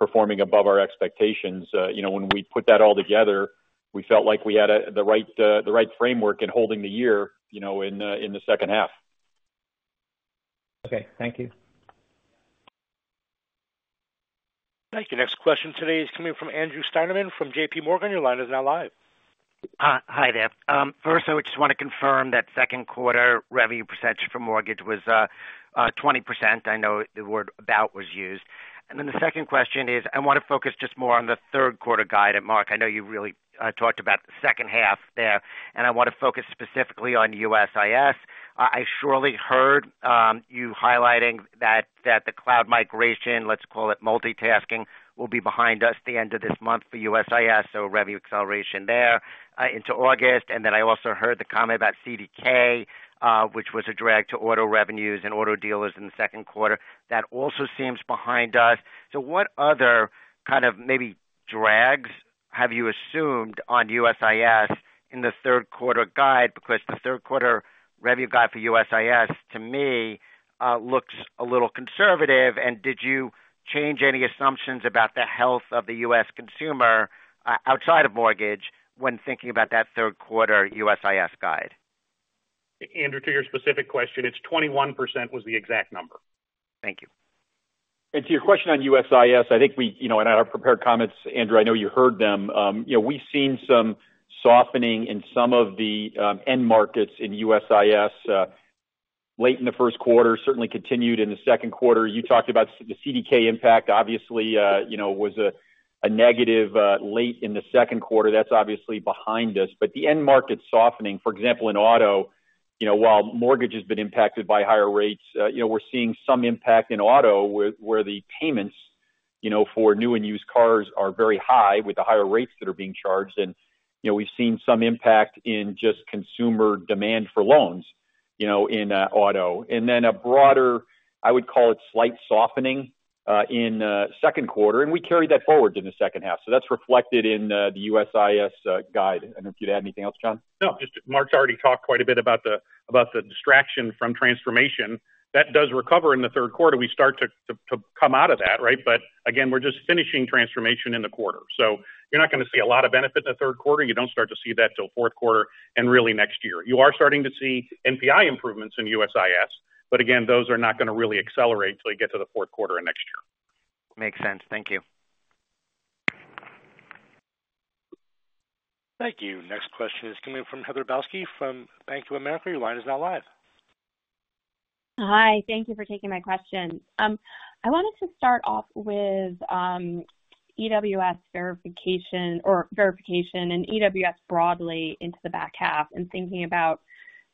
performing above our expectations. You know, when we put that all together, we felt like we had, the right, the right framework in holding the year, you know, in the, in the second half. Okay. Thank you. Thank you. Next question today is coming from Andrew Steinerman from JP Morgan. Your line is now live. Hi there. First I just want to confirm that second quarter revenue percentage for Mortgage was 20%. I know the word about was used. And then the second question is, I want to focus just more on the third quarter guide. And Mark, I know you really talked about the second half there, and I want to focus specifically on USIS. I surely heard you highlighting that the cloud migration, let's call it multitasking, will be behind us at the end of this month for USIS, so revenue acceleration there into August. And then I also heard the comment about CDK Global, which was a drag to auto revenues and auto dealers in the second quarter. That also seems behind us. So what other kind of maybe drags have you assumed on USIS in the third quarter guide? Because the third quarter revenue guide for USIS, to me, looks a little conservative. Did you change any assumptions about the health of the U.S. consumer, outside of mortgage when thinking about that third quarter USIS guide? Andrew, to your specific question, it's 21% was the exact number. Thank you. To your question on USIS, I think we you know, in our prepared comments, Andrew, I know you heard them. You know, we've seen some softening in some of the end markets in USIS late in the first quarter, certainly continued in the second quarter. You talked about the CDK impact, obviously, you know, was a negative late in the second quarter. That's obviously behind us. But the end market softening, for example, in auto, you know, while mortgage has been impacted by higher rates, you know, we're seeing some impact in auto, where the payments, you know, for new and used cars are very high with the higher rates that are being charged. You know, we've seen some impact in just consumer demand for loans, you know, in auto. And then a broader, I would call it, slight softening in second quarter, and we carried that forward in the second half. So that's reflected in the USIS guide. I don't know if you'd add anything else, John? No, just Mark's already talked quite a bit about the distraction from transformation. That does recover in the third quarter. We start to come out of that, right? But again, we're just finishing transformation in the quarter. So you're not gonna see a lot of benefit in the third quarter. You don't start to see that till fourth quarter and really next year. You are starting to see NPI improvements in USIS, but again, those are not gonna really accelerate till you get to the fourth quarter of next year. Makes sense. Thank you. Thank you. Next question is coming from Heather Balsky from Bank of America. Your line is now live. Hi, thank you for taking my question. I wanted to start off with EWS verification or verification and EWS broadly into the back half, and thinking about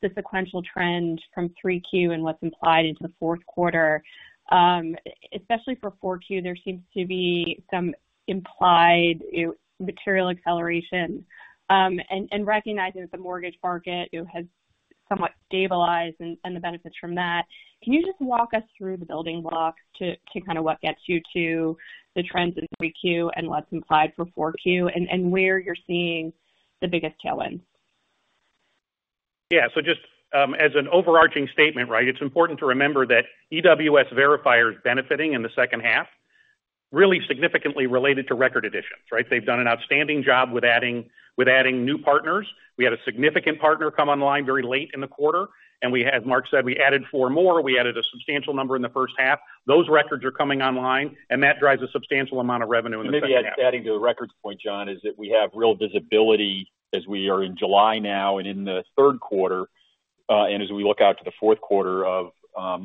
the sequential trend from three Q and what's implied into the fourth quarter. Especially for four Q, there seems to be some implied material acceleration. Recognizing that the mortgage market it has somewhat stabilized and the benefits from that, can you just walk us through the building blocks to kind of what gets you to the trends in three Q and what's implied for four Q, and where you're seeing the biggest tailwind? Yeah. So just, as an overarching statement, right, it's important to remember that EWS verifier is benefiting in the second half, really significantly related to record additions, right? They've done an outstanding job with adding, with adding new partners. We had a significant partner come online very late in the quarter, and we had, Mark said, we added four more. We added a substantial number in the first half. Those records are coming online, and that drives a substantial amount of revenue in the second half. Maybe adding to the records point, John, is that we have real visibility as we are in July now and in the third quarter, and as we look out to the fourth quarter of,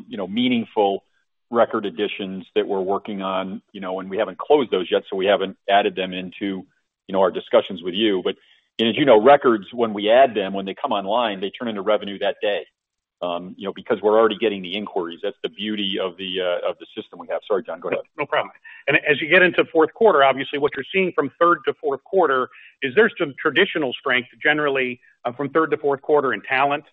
you know, meaningful record additions that we're working on, you know, and we haven't closed those yet, so we haven't added them into, you know, our discussions with you. But as you know, records, when we add them, when they come online, they turn into revenue that day, you know, because we're already getting the inquiries. That's the beauty of the, of the system we have. Sorry, John, go ahead. No problem. And as you get into fourth quarter, obviously what you're seeing from third to fourth quarter is there's some traditional strength, generally, from third to fourth quarter in talent,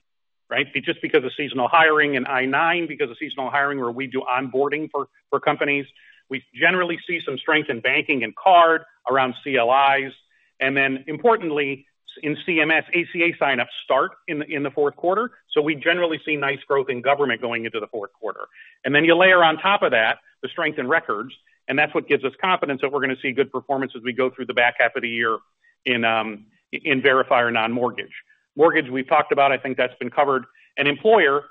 right? Just because of seasonal hiring in I-9, because of seasonal hiring, where we do onboarding for companies. We generally see some strength in banking and card around CLIs, and then importantly, in CMS, ACA sign-ups start in the fourth quarter. So we generally see nice growth in government going into the fourth quarter. And then you layer on top of that, the strength in records, and that's what gives us confidence that we're gonna see good performance as we go through the back half of the year in verifier non-mortgage. Mortgage, we've talked about, I think that's been covered. Employer,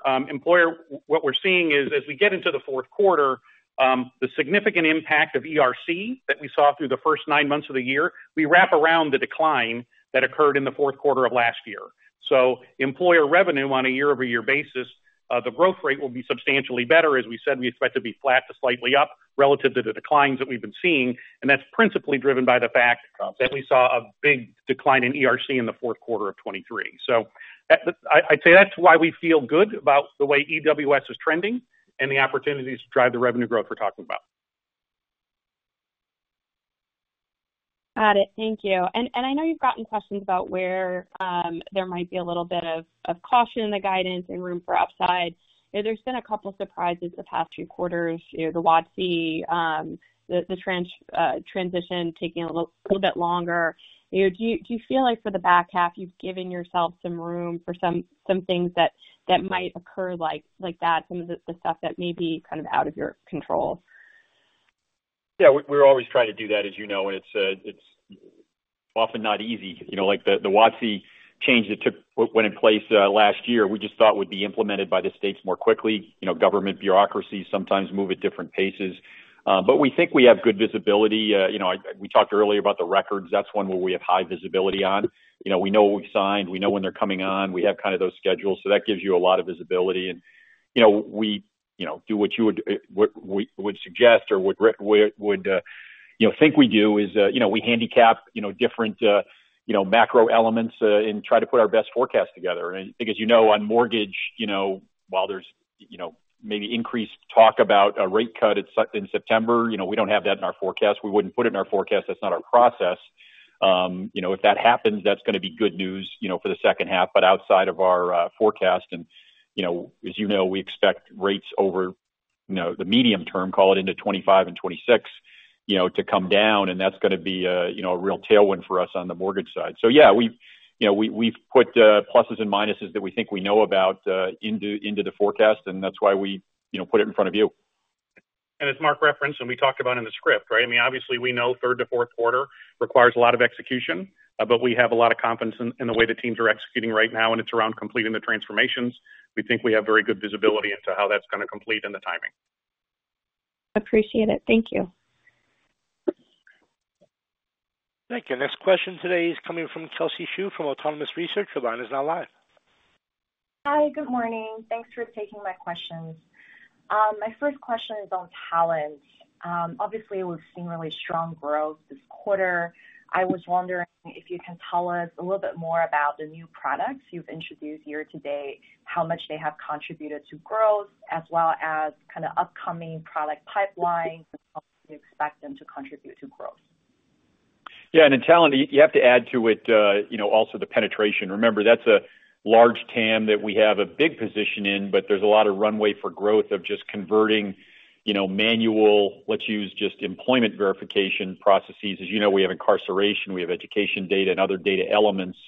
what we're seeing is as we get into the fourth quarter, the significant impact of ERC that we saw through the first nine months of the year wraps around the decline that occurred in the fourth quarter of last year. Employer revenue on a year-over-year basis, the growth rate will be substantially better. As we said, we expect to be flat to slightly up relative to the declines that we've been seeing, and that's principally driven by the fact that we saw a big decline in ERC in the fourth quarter of 2023. I'd say that's why we feel good about the way EWS is trending and the opportunities to drive the revenue growth we're talking about. Got it. Thank you. And I know you've gotten questions about where there might be a little bit of caution in the guidance and room for upside. There's been a couple surprises the past few quarters, you know, the WOTC, the transition taking a little bit longer. You know, do you feel like for the back half, you've given yourself some room for some things that might occur like that, some of the stuff that may be kind of out of your control? Yeah, we're always trying to do that, as you know, and it's often not easy. You know, like the WOTC change that went in place last year, we just thought would be implemented by the states more quickly. You know, government bureaucracies sometimes move at different paces. But we think we have good visibility. You know, we talked earlier about the records. That's one where we have high visibility on. You know, we know who we've signed, we know when they're coming on. We have kind of those schedules, so that gives you a lot of visibility. You know, we, you know, do what you would, we would suggest or would think we do, is, you know, we handicap, you know, different, you know, macro elements, and try to put our best forecast together. And because, you know, on mortgage, you know, while there's, you know, maybe increased talk about a rate cut in September, you know, we don't have that in our forecast. We wouldn't put it in our forecast. That's not our process. You know, if that happens, that's gonna be good news, you know, for the second half, but outside of our forecast and, you know, as you know, we expect rates over, you know, the medium term, call it into 2025 and 2026, you know, to come down, and that's gonna be a, you know, a real tailwind for us on the mortgage side. So yeah, we've you know, we, we've put pluses and minuses that we think we know about into the forecast, and that's why we, you know, put it in front of you. As Mark referenced, and we talked about in the script, right? I mean, obviously we know third to fourth quarter requires a lot of execution, but we have a lot of confidence in the way the teams are executing right now, and it's around completing the transformations. We think we have very good visibility into how that's gonna complete and the timing. Appreciate it. Thank you. Thank you. Next question today is coming from Kelsey Zhu, from Autonomous Research. The line is now live. Hi, good morning. Thanks for taking my questions. My first question is on talent. Obviously, we've seen really strong growth this quarter. I was wondering if you can tell us a little bit more about the new products you've introduced year to date, how much they have contributed to growth, as well as kind of upcoming product pipeline, and how you expect them to contribute to growth? Yeah, and in talent, you have to add to it, you know, also the penetration. Remember, that's a large TAM that we have a big position in, but there's a lot of runway for growth of just converting, you know, manual. Let's use just employment verification processes. As you know, we have incarceration, we have education data and other data elements,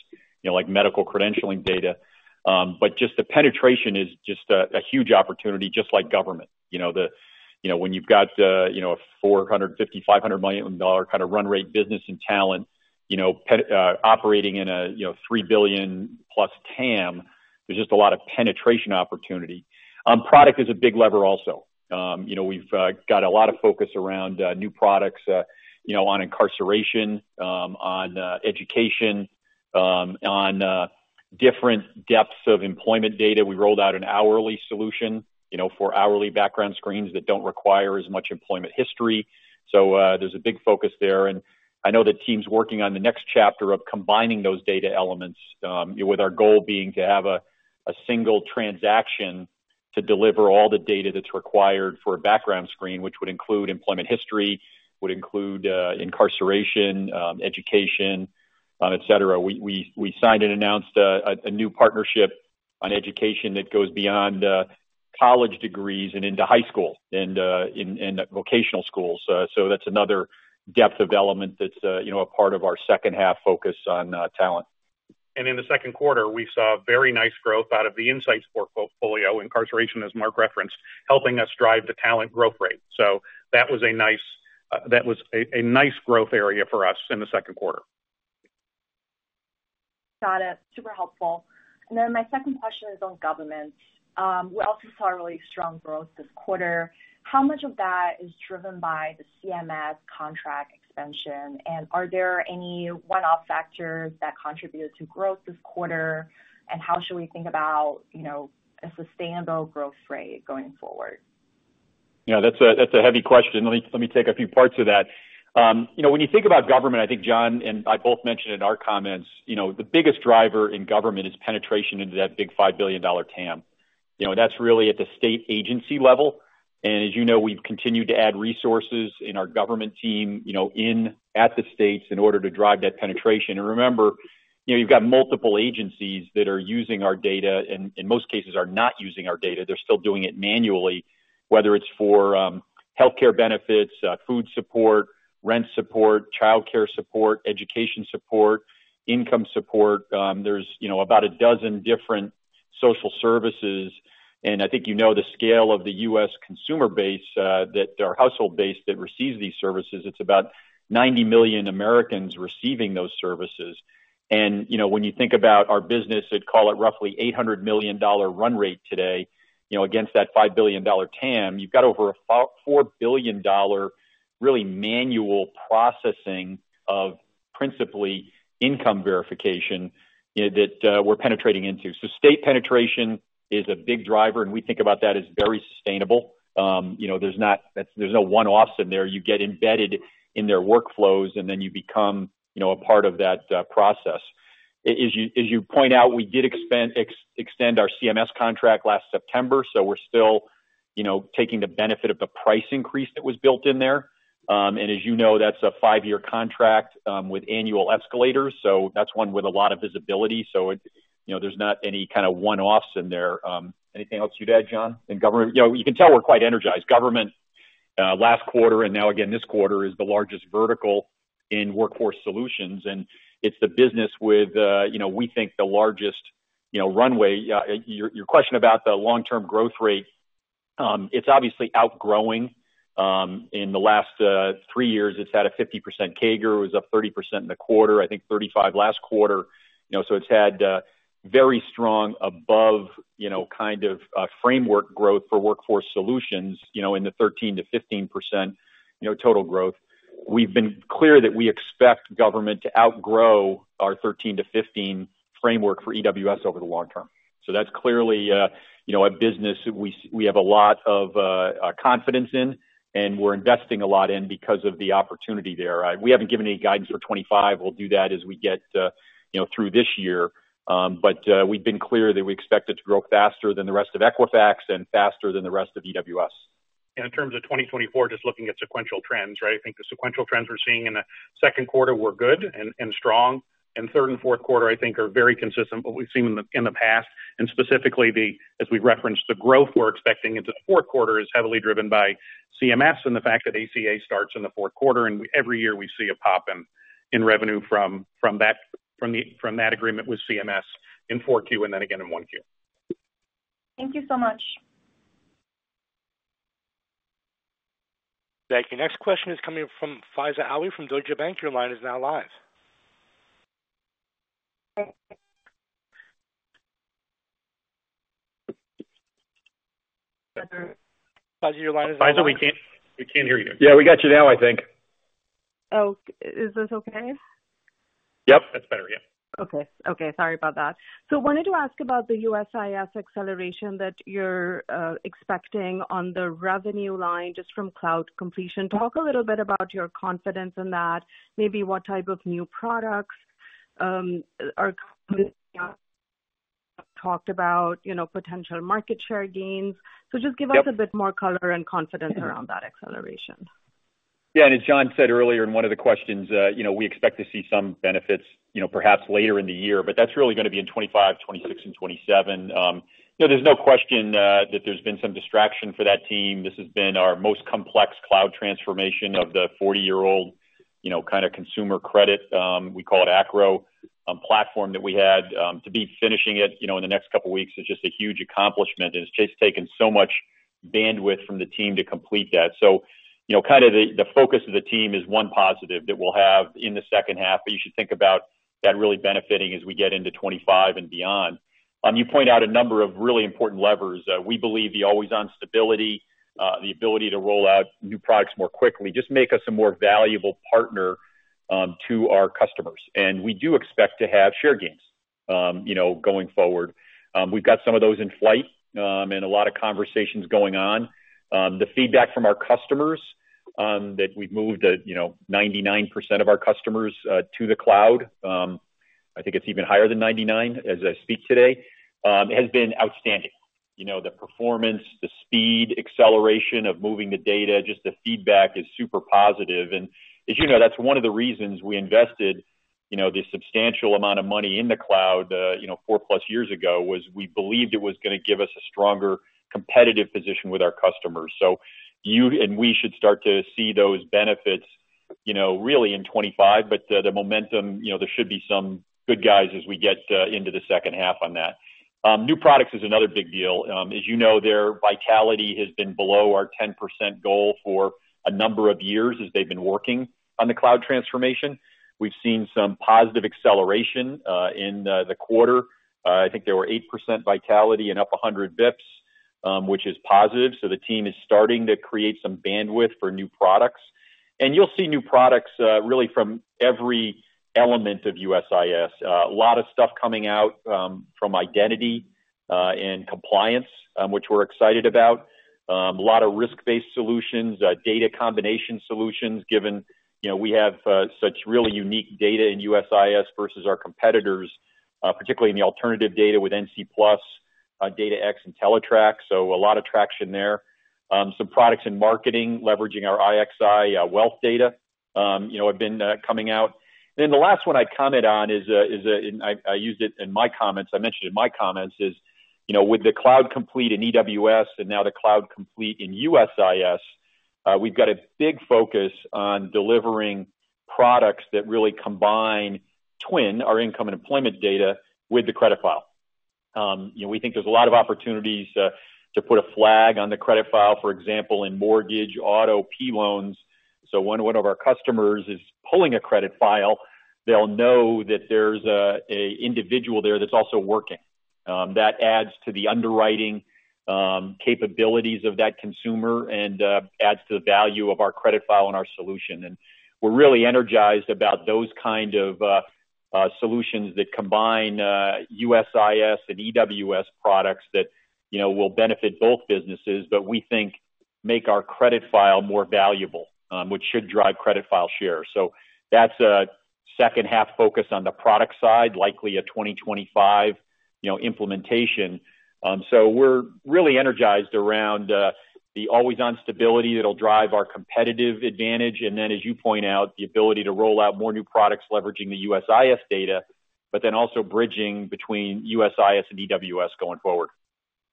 you know, like medical credentialing data. But just the penetration is just a huge opportunity, just like government. You know, when you've got, you know, a $450-$500 million kind of run rate business in talent, you know, operating in a, you know, $3 billion+ TAM, there's just a lot of penetration opportunity. Product is a big lever also. You know, we've got a lot of focus around new products, you know, on incarceration, on education, on different depths of employment data. We rolled out an hourly solution, you know, for hourly background screens that don't require as much employment history. So, there's a big focus there, and I know the team's working on the next chapter of combining those data elements, with our goal being to have a single transaction to deliver all the data that's required for a background screen, which would include employment history, would include incarceration, education, et cetera. We signed and announced a new partnership on education that goes beyond college degrees and into high school and vocational schools. So that's another depth of element that's, you know, a part of our second half focus on talent. In the second quarter, we saw very nice growth out of the insights portfolio, Interconnect, as Mark referenced, helping us drive the talent growth rate. So that was a nice growth area for us in the second quarter. Got it. Super helpful. My second question is on government. We also saw really strong growth this quarter. How much of that is driven by the CMS contract expansion? And are there any one-off factors that contributed to growth this quarter? And how should we think about, you know, a sustainable growth rate going forward? Yeah, that's a, that's a heavy question. Let me, let me take a few parts of that. You know, when you think about government, I think John and I both mentioned in our comments, you know, the biggest driver in government is penetration into that big $5 billion TAM. You know, that's really at the state agency level, and as you know, we've continued to add resources in our government team, you know, in, at the states, in order to drive that penetration. And remember, you know, you've got multiple agencies that are using our data, and in most cases, are not using our data. They're still doing it manually, whether it's for, healthcare benefits, food support, rent support, childcare support, education support, income support. There's, you know, about a dozen different social services, and I think you know the scale of the U.S. consumer base, that or household base that receives these services. It's about 90 million Americans receiving those services. And, you know, when you think about our business, I'd call it roughly $800 million run rate today, you know, against that $5 billion TAM, you've got over a $4 billion, really manual processing of principally income verification, that we're penetrating into. So state penetration is a big driver, and we think about that as very sustainable. You know, there's no one-offs in there. You get embedded in their workflows, and then you become, you know, a part of that process. As you point out, we did extend our CMS contract last September, so we're still, you know, taking the benefit of the price increase that was built in there. And as you know, that's a five-year contract with annual escalators, so that's one with a lot of visibility. You know, there's not any kind of one-offs in there. Anything else you'd add, John, in government? You know, you can tell we're quite energized. Government last quarter, and now again, this quarter, is the largest vertical in Workforce Solutions, and it's the business with, you know, we think the largest, you know, runway. Your question about the long-term growth rate. It's obviously outgrowing, in the last three years, it's had a 50% CAGR. It was up 30% in the quarter, I think 35 last quarter. You know, so it's had very strong above, you know, kind of framework growth for Workforce Solutions, you know, in the 13%-15%, you know, total growth. We've been clear that we expect government to outgrow our 13-15 framework for EWS over the long term. So that's clearly, you know, a business we have a lot of confidence in, and we're investing a lot in because of the opportunity there. We haven't given any guidance for 25. We'll do that as we get, you know, through this year. But we've been clear that we expect it to grow faster than the rest of Equifax and faster than the rest of EWS. In terms of 2024, just looking at sequential trends, right? I think the sequential trends we're seeing in the second quarter were good and strong, and third and fourth quarter, I think, are very consistent with what we've seen in the past. And specifically, the—as we referenced, the growth we're expecting into the fourth quarter is heavily driven by CMS and the fact that ACA starts in the fourth quarter, and every year we see a pop in revenue from that agreement with CMS in Q4 and then again in Q1. Thank you so much. Thank you. Next question is coming from Faiza Alwy, from Deutsche Bank. Your line is now live. Faiza, your line is- Faiza, we can't, we can't hear you. Yeah, we got you now, I think. Oh, is this okay? Yep. That's better. Yeah. Okay. Okay, sorry about that. So wanted to ask about the USIS acceleration that you're expecting on the revenue line, just from cloud completion. Talk a little bit about your confidence in that, maybe what type of new products are talked about, you know, potential market share gains. Yep. Just give us a bit more color and confidence around that acceleration. Yeah, and as John said earlier in one of the questions, you know, we expect to see some benefits, you know, perhaps later in the year, but that's really gonna be in 2025, 2026 and 2027. You know, there's no question that there's been some distraction for that team. This has been our most complex cloud transformation of the 40-year-old, you know, kind of consumer credit, we call it ACRO, platform that we had. To be finishing it, you know, in the next couple weeks is just a huge accomplishment, and it's just taken so much bandwidth from the team to complete that. So, you know, kind of the focus of the team is one positive that we'll have in the second half, but you should think about that really benefiting as we get into 2025 and beyond. You point out a number of really important levers. We believe the always-on stability, the ability to roll out new products more quickly, just make us a more valuable partner to our customers, and we do expect to have share gains, you know, going forward. We've got some of those in flight, and a lot of conversations going on. The feedback from our customers that we've moved, you know, 99% of our customers to the cloud, I think it's even higher than 99, as I speak today, it has been outstanding. You know, the performance, the speed, acceleration of moving the data, just the feedback is super positive. And as you know, that's one of the reasons we invested, you know, this substantial amount of money in the cloud, 4+ years ago, was we believed it was gonna give us a stronger competitive position with our customers. And we should start to see those benefits, you know, really in 2025, but, the momentum, you know, there should be some good guys as we get into the second half on that. New products is another big deal. As you know, their vitality has been below our 10% goal for a number of years, as they've been working on the cloud transformation. We've seen some positive acceleration in the quarter. I think there were 8% vitality and up 100 bps, which is positive. So the team is starting to create some bandwidth for new products. You'll see new products, really from every element of USIS. A lot of stuff coming out, from identity, and compliance, which we're excited about. A lot of risk-based solutions, data combination solutions, given, you know, we have, such really unique data in USIS versus our competitors, particularly in the alternative data with NCTUE, DataX and Teletrack, so a lot of traction there. Some products in marketing, leveraging our IXI, wealth data, you know, have been, coming out. Then the last one I'd comment on is and I used it in my comments, I mentioned it in my comments, is, you know, with the cloud complete in EWS and now the cloud complete in USIS, we've got a big focus on delivering products that really combine twin, our income and employment data, with the credit file. You know, we think there's a lot of opportunities to put a flag on the credit file, for example, in mortgage, auto, P loans. So when one of our customers is pulling a credit file, they'll know that there's an individual there that's also working. That adds to the underwriting capabilities of that consumer and adds to the value of our credit file and our solution. We're really energized about those kind of solutions that combine USIS and EWS products that, you know, will benefit both businesses, but we think make our credit file more valuable, which should drive credit file share. So that's a second half focus on the product side, likely a 2025, you know, implementation. So we're really energized around the always-on stability that'll drive our competitive advantage, and then, as you point out, the ability to roll out more new products leveraging the USIS data, but then also bridging between USIS and EWS going forward.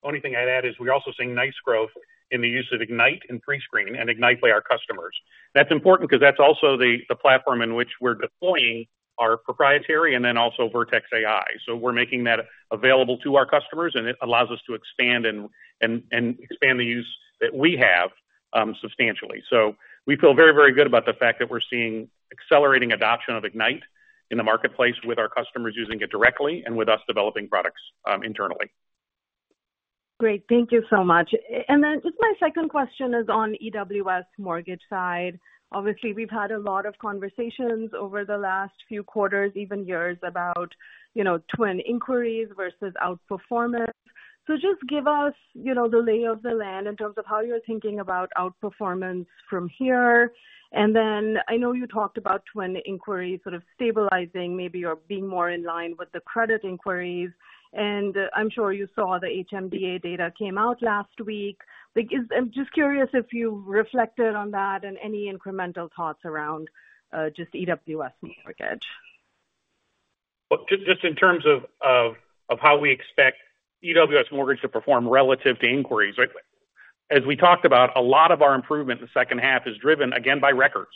Only thing I'd add is we're also seeing nice growth in the use of Ignite and Prescreen and Ignite by our customers. That's important because that's also the platform in which we're deploying our proprietary and then also Vertex AI. So we're making that available to our customers, and it allows us to expand and, and, and expand the use that we have substantially. So we feel very, very good about the fact that we're seeing accelerating adoption of Ignite in the marketplace with our customers using it directly and with us developing products internally. Great. Thank you so much. And then just my second question is on EWS Mortgage side. Obviously, we've had a lot of conversations over the last few quarters, even years, about, you know, twin inquiries versus outperformance. So just give us, you know, the lay of the land in terms of how you're thinking about outperformance from here. And then I know you talked about twin inquiries sort of stabilizing, maybe you're being more in line with the credit inquiries, and I'm sure you saw the HMDA data came out last week. Like, is. I'm just curious if you reflected on that and any incremental thoughts around just EWS Mortgage. Well, just in terms of how we expect EWS Mortgage to perform relative to inquiries, right? As we talked about, a lot of our improvement in the second half is driven, again, by records,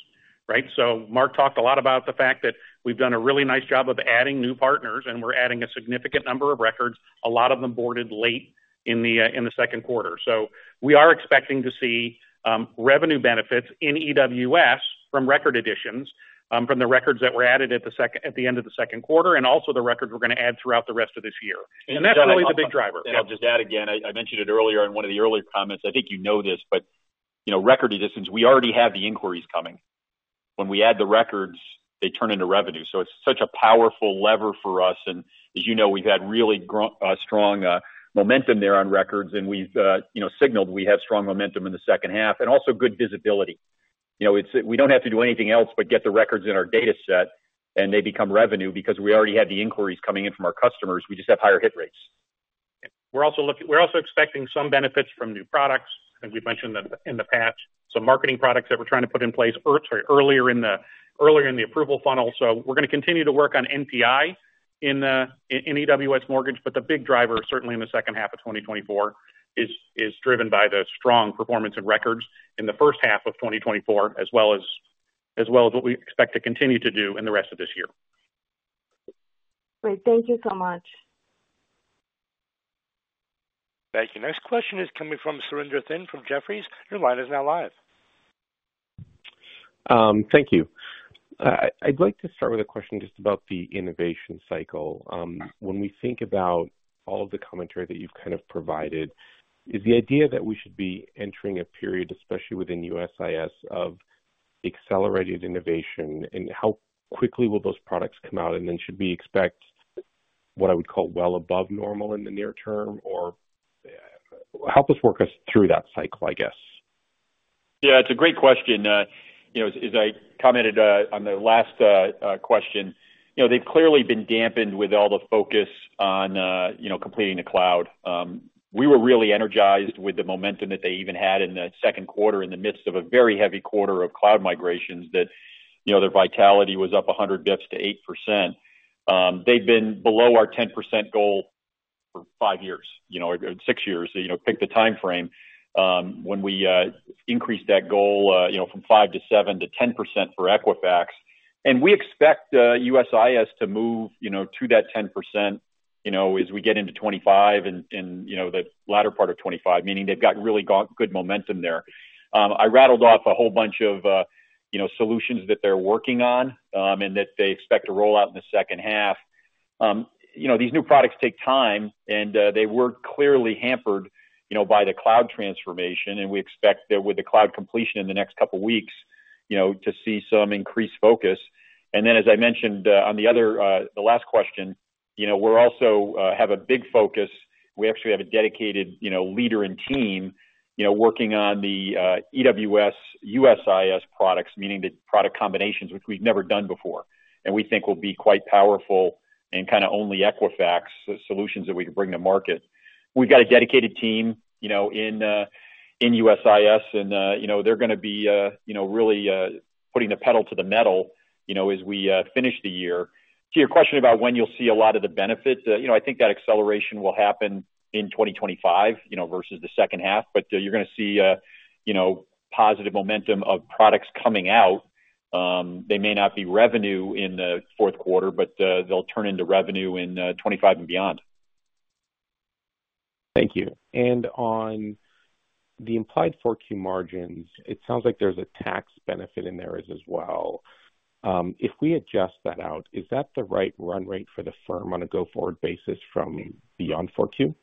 right? So Mark talked a lot about the fact that we've done a really nice job of adding new partners, and we're adding a significant number of records, a lot of them boarded late in the second quarter. So we are expecting to see revenue benefits in EWS from record additions, from the records that were added at the end of the second quarter, and also the records we're gonna add throughout the rest of this year. And that's really the big driver. And I'll just add again, I mentioned it earlier in one of the earlier comments. I think you know this, but, you know, record additions, we already have the inquiries coming. When we add the records, they turn into revenue. So it's such a powerful lever for us, and as you know, we've had really strong momentum there on records, and we've, you know, signaled we have strong momentum in the second half and also good visibility. You know, it's we don't have to do anything else but get the records in our dataset, and they become revenue because we already have the inquiries coming in from our customers. We just have higher hit rates. We're also expecting some benefits from new products, as we've mentioned in the past. Some marketing products that we're trying to put in place earlier in the approval funnel. So we're gonna continue to work on NPI in EWS Mortgage, but the big driver, certainly in the second half of 2024, is driven by the strong performance in records in the first half of 2024, as well as what we expect to continue to do in the rest of this year. Great. Thank you so much. Thank you. Next question is coming from Surinder Thind from Jefferies. Your line is now live. Thank you. I'd like to start with a question just about the innovation cycle. When we think about all of the commentary that you've kind of provided, is the idea that we should be entering a period, especially within USIS, of accelerated innovation, and how quickly will those products come out? And then, should we expect what I would call well above normal in the near term, or help us walk us through that cycle, I guess. Yeah, it's a great question. You know, as I commented on the last question, you know, they've clearly been dampened with all the focus on, you know, completing the cloud. We were really energized with the momentum that they even had in the second quarter in the midst of a very heavy quarter of cloud migrations that, you know, their vitality was up 100 basis points to 8%. They've been below our 10% goal for five years, you know, or six years, you know, pick the timeframe, when we increased that goal, you know, from 5% to 7% to 10% for Equifax. And we expect USIS to move, you know, to that 10%, you know, as we get into 25 and, you know, the latter part of 25, meaning they've got really good momentum there. I rattled off a whole bunch of, you know, solutions that they're working on, and that they expect to roll out in the second half. You know, these new products take time, and they were clearly hampered, you know, by the cloud transformation, and we expect that with the cloud completion in the next couple of weeks, you know, to see some increased focus. And then, as I mentioned, on the other, the last question, you know, we're also have a big focus. We actually have a dedicated, you know, leader and team, you know, working on the, EWS, USIS products, meaning the product combinations, which we've never done before, and we think will be quite powerful and kind of only Equifax solutions that we can bring to market. We've got a dedicated team, you know, in USIS, and, you know, they're gonna be, you know, really, putting the pedal to the metal, you know, as we, finish the year. To your question about when you'll see a lot of the benefits, you know, I think that acceleration will happen in 2025, you know, versus the second half, but, you're gonna see, you know, positive momentum of products coming out. They may not be revenue in the fourth quarter, but, they'll turn into revenue in, 2025 and beyond. Thank you. And on the implied 4Q margins, it sounds like there's a tax benefit in there as well. If we adjust that out, is that the right run rate for the firm on a go-forward basis from beyond 4Q?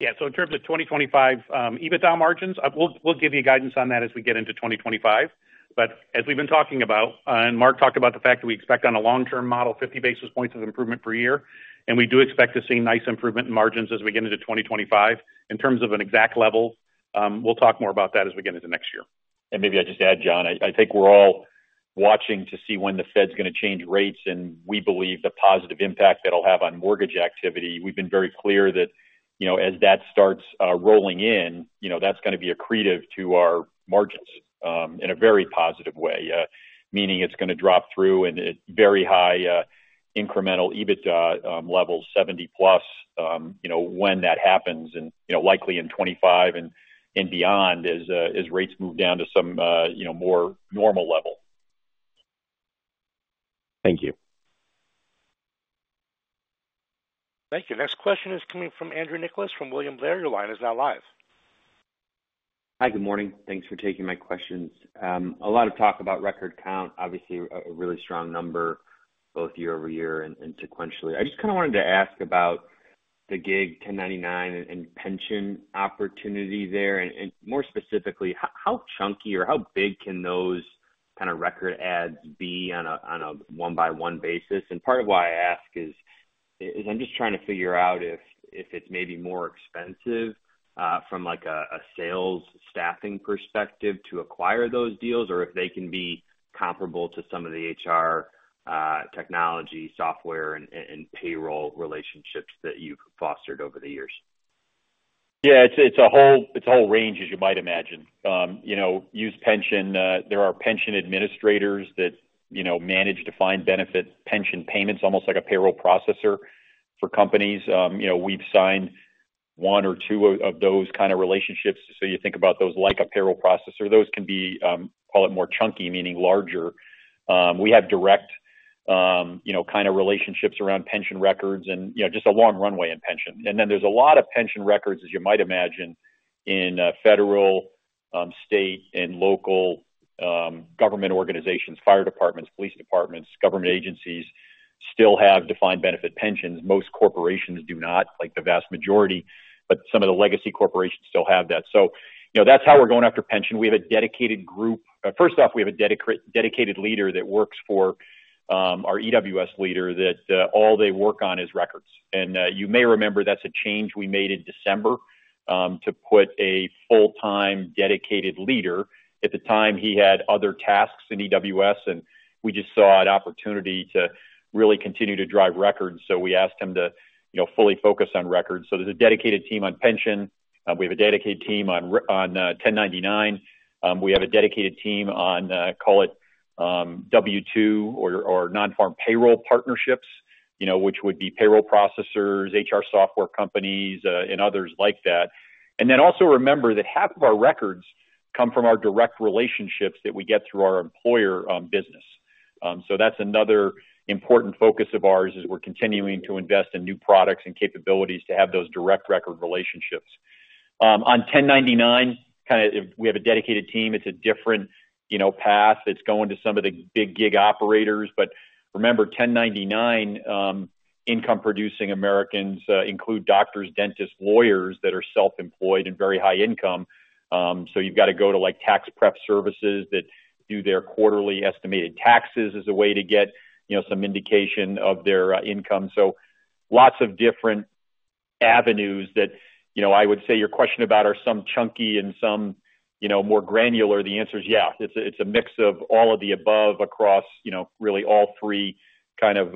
Yeah. So in terms of 2025, EBITDA margins, we'll give you guidance on that as we get into 2025. But as we've been talking about, and Mark talked about the fact that we expect on a long-term model, 50 basis points of improvement per year, and we do expect to see nice improvement in margins as we get into 2025. In terms of an exact level, we'll talk more about that as we get into next year. And maybe I'll just add, John, I think we're all watching to see when the Fed's gonna change rates, and we believe the positive impact that'll have on mortgage activity. We've been very clear that, you know, as that starts rolling in, you know, that's gonna be accretive to our margins in a very positive way. Meaning it's gonna drop through in a very high incremental EBITDA level, 70+, you know, when that happens and, you know, likely in 25 and beyond, as rates move down to some, you know, more normal level.... Thank you. Thank you. Next question is coming from Andrew Nicholas from William Blair. Your line is now live. Hi, good morning. Thanks for taking my questions. A lot of talk about record count, obviously, a really strong number, both year-over-year and sequentially. I just kinda wanted to ask about the gig, 1099 and pension opportunity there, and more specifically, how chunky or how big can those kind of record ads be on a one-by-one basis? And part of why I ask is I'm just trying to figure out if it's maybe more expensive, from, like, a sales staffing perspective to acquire those deals, or if they can be comparable to some of the HR technology, software, and payroll relationships that you've fostered over the years. Yeah, it's a whole range, as you might imagine. You know, use pension. There are pension administrators that, you know, manage defined benefit pension payments, almost like a payroll processor for companies. You know, we've signed one or two of those kind of relationships, so you think about those like a payroll processor. Those can be, call it more chunky, meaning larger. We have direct, you know, kind of relationships around pension records and, you know, just a long runway in pension. And then there's a lot of pension records, as you might imagine, in federal, state and local government organizations. Fire departments, police departments, government agencies still have defined benefit pensions. Most corporations do not, like the vast majority, but some of the legacy corporations still have that. So, you know, that's how we're going after pension. We have a dedicated group. First off, we have a dedicated leader that works for our EWS leader, that all they work on is records. You may remember, that's a change we made in December to put a full-time dedicated leader. At the time, he had other tasks in EWS, and we just saw an opportunity to really continue to drive records, so we asked him to, you know, fully focus on records. So there's a dedicated team on pension. We have a dedicated team on 1099. We have a dedicated team on, call it, W-2 or non-farm payroll partnerships, you know, which would be payroll processors, HR software companies, and others like that. And then also remember that half of our records come from our direct relationships that we get through our employer business. So that's another important focus of ours, as we're continuing to invest in new products and capabilities to have those direct record relationships. On 1099, kind of, if we have a dedicated team, it's a different, you know, path. It's going to some of the big gig operators. But remember, 1099 income-producing Americans include doctors, dentists, lawyers that are self-employed and very high income. So you've got to go to, like, tax prep services that do their quarterly estimated taxes as a way to get, you know, some indication of their income. So lots of different avenues that, you know, I would say your question about are some chunky and some, you know, more granular. The answer is, yeah, it's a mix of all of the above, across, you know, really all three kind of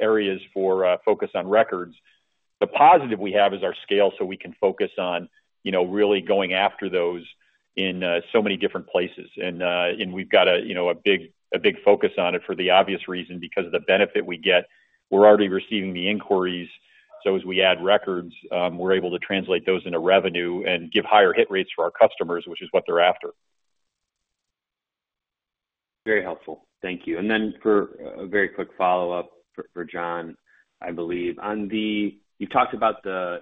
areas for focus on records. The positive we have is our scale, so we can focus on, you know, really going after those in so many different places. And we've got a, you know, a big, a big focus on it for the obvious reason, because of the benefit we get. We're already receiving the inquiries, so as we add records, we're able to translate those into revenue and give higher hit rates for our customers, which is what they're after. Very helpful. Thank you. And then for a very quick follow-up for John, I believe. On the you talked about the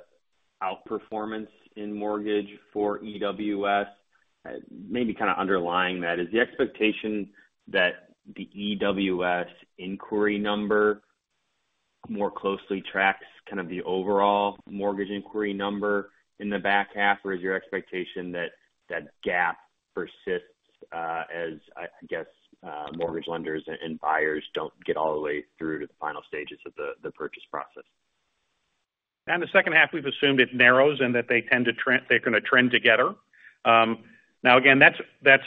outperformance in mortgage for EWS. Maybe kind of underlying that, is the expectation that the EWS inquiry number more closely tracks kind of the overall mortgage inquiry number in the back half? Or is your expectation that that gap persists, as I guess, mortgage lenders and buyers don't get all the way through to the final stages of the purchase process? In the second half, we've assumed it narrows, and that they tend to trend together. Now, again, that's, that's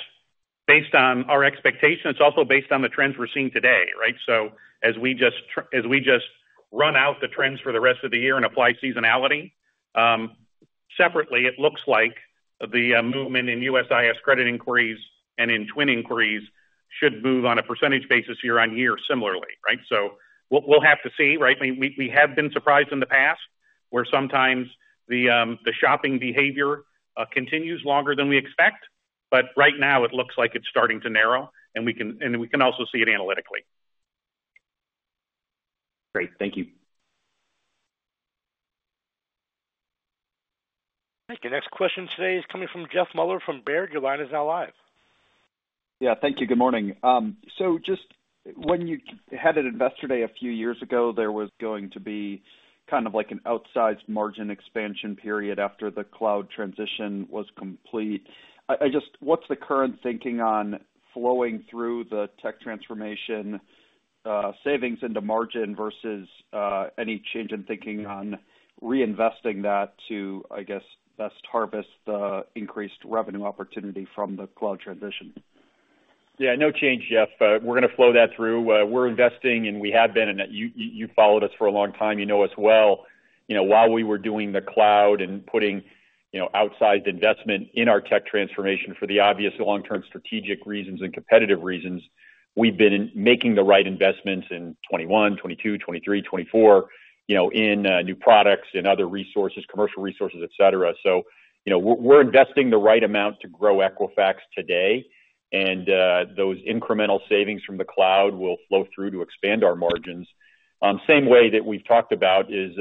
based on our expectation. It's also based on the trends we're seeing today, right? So as we just run out the trends for the rest of the year and apply seasonality, separately, it looks like the movement in USIS credit inquiries and in Twin inquiries should move on a percentage basis year-over-year, similarly, right? So we'll, we'll have to see, right? I mean, we, we have been surprised in the past, where sometimes the shopping behavior continues longer than we expect. But right now, it looks like it's starting to narrow, and we can, and we can also see it analytically. Great. Thank you. Thank you. Next question today is coming from Jeff Meuler from Baird. Your line is now live. Yeah. Thank you. Good morning. So just when you had an Investor Day a few years ago, there was going to be kind of like an outsized margin expansion period after the cloud transition was complete. I just... What's the current thinking on flowing through the tech transformation savings into margin, versus any change in thinking on reinvesting that to, I guess, best harvest the increased revenue opportunity from the cloud transition? Yeah, no change, Jeff. We're gonna flow that through. We're investing, and we have been, and you followed us for a long time. You know us well. You know, while we were doing the cloud and you know, outsized investment in our tech transformation for the obvious long-term strategic reasons and competitive reasons. We've been making the right investments in 2021, 2022, 2023, 2024, you know, in new products and other resources, commercial resources, et cetera. So, you know, we're investing the right amount to grow Equifax today, and those incremental savings from the cloud will flow through to expand our margins. Same way that we've talked about is,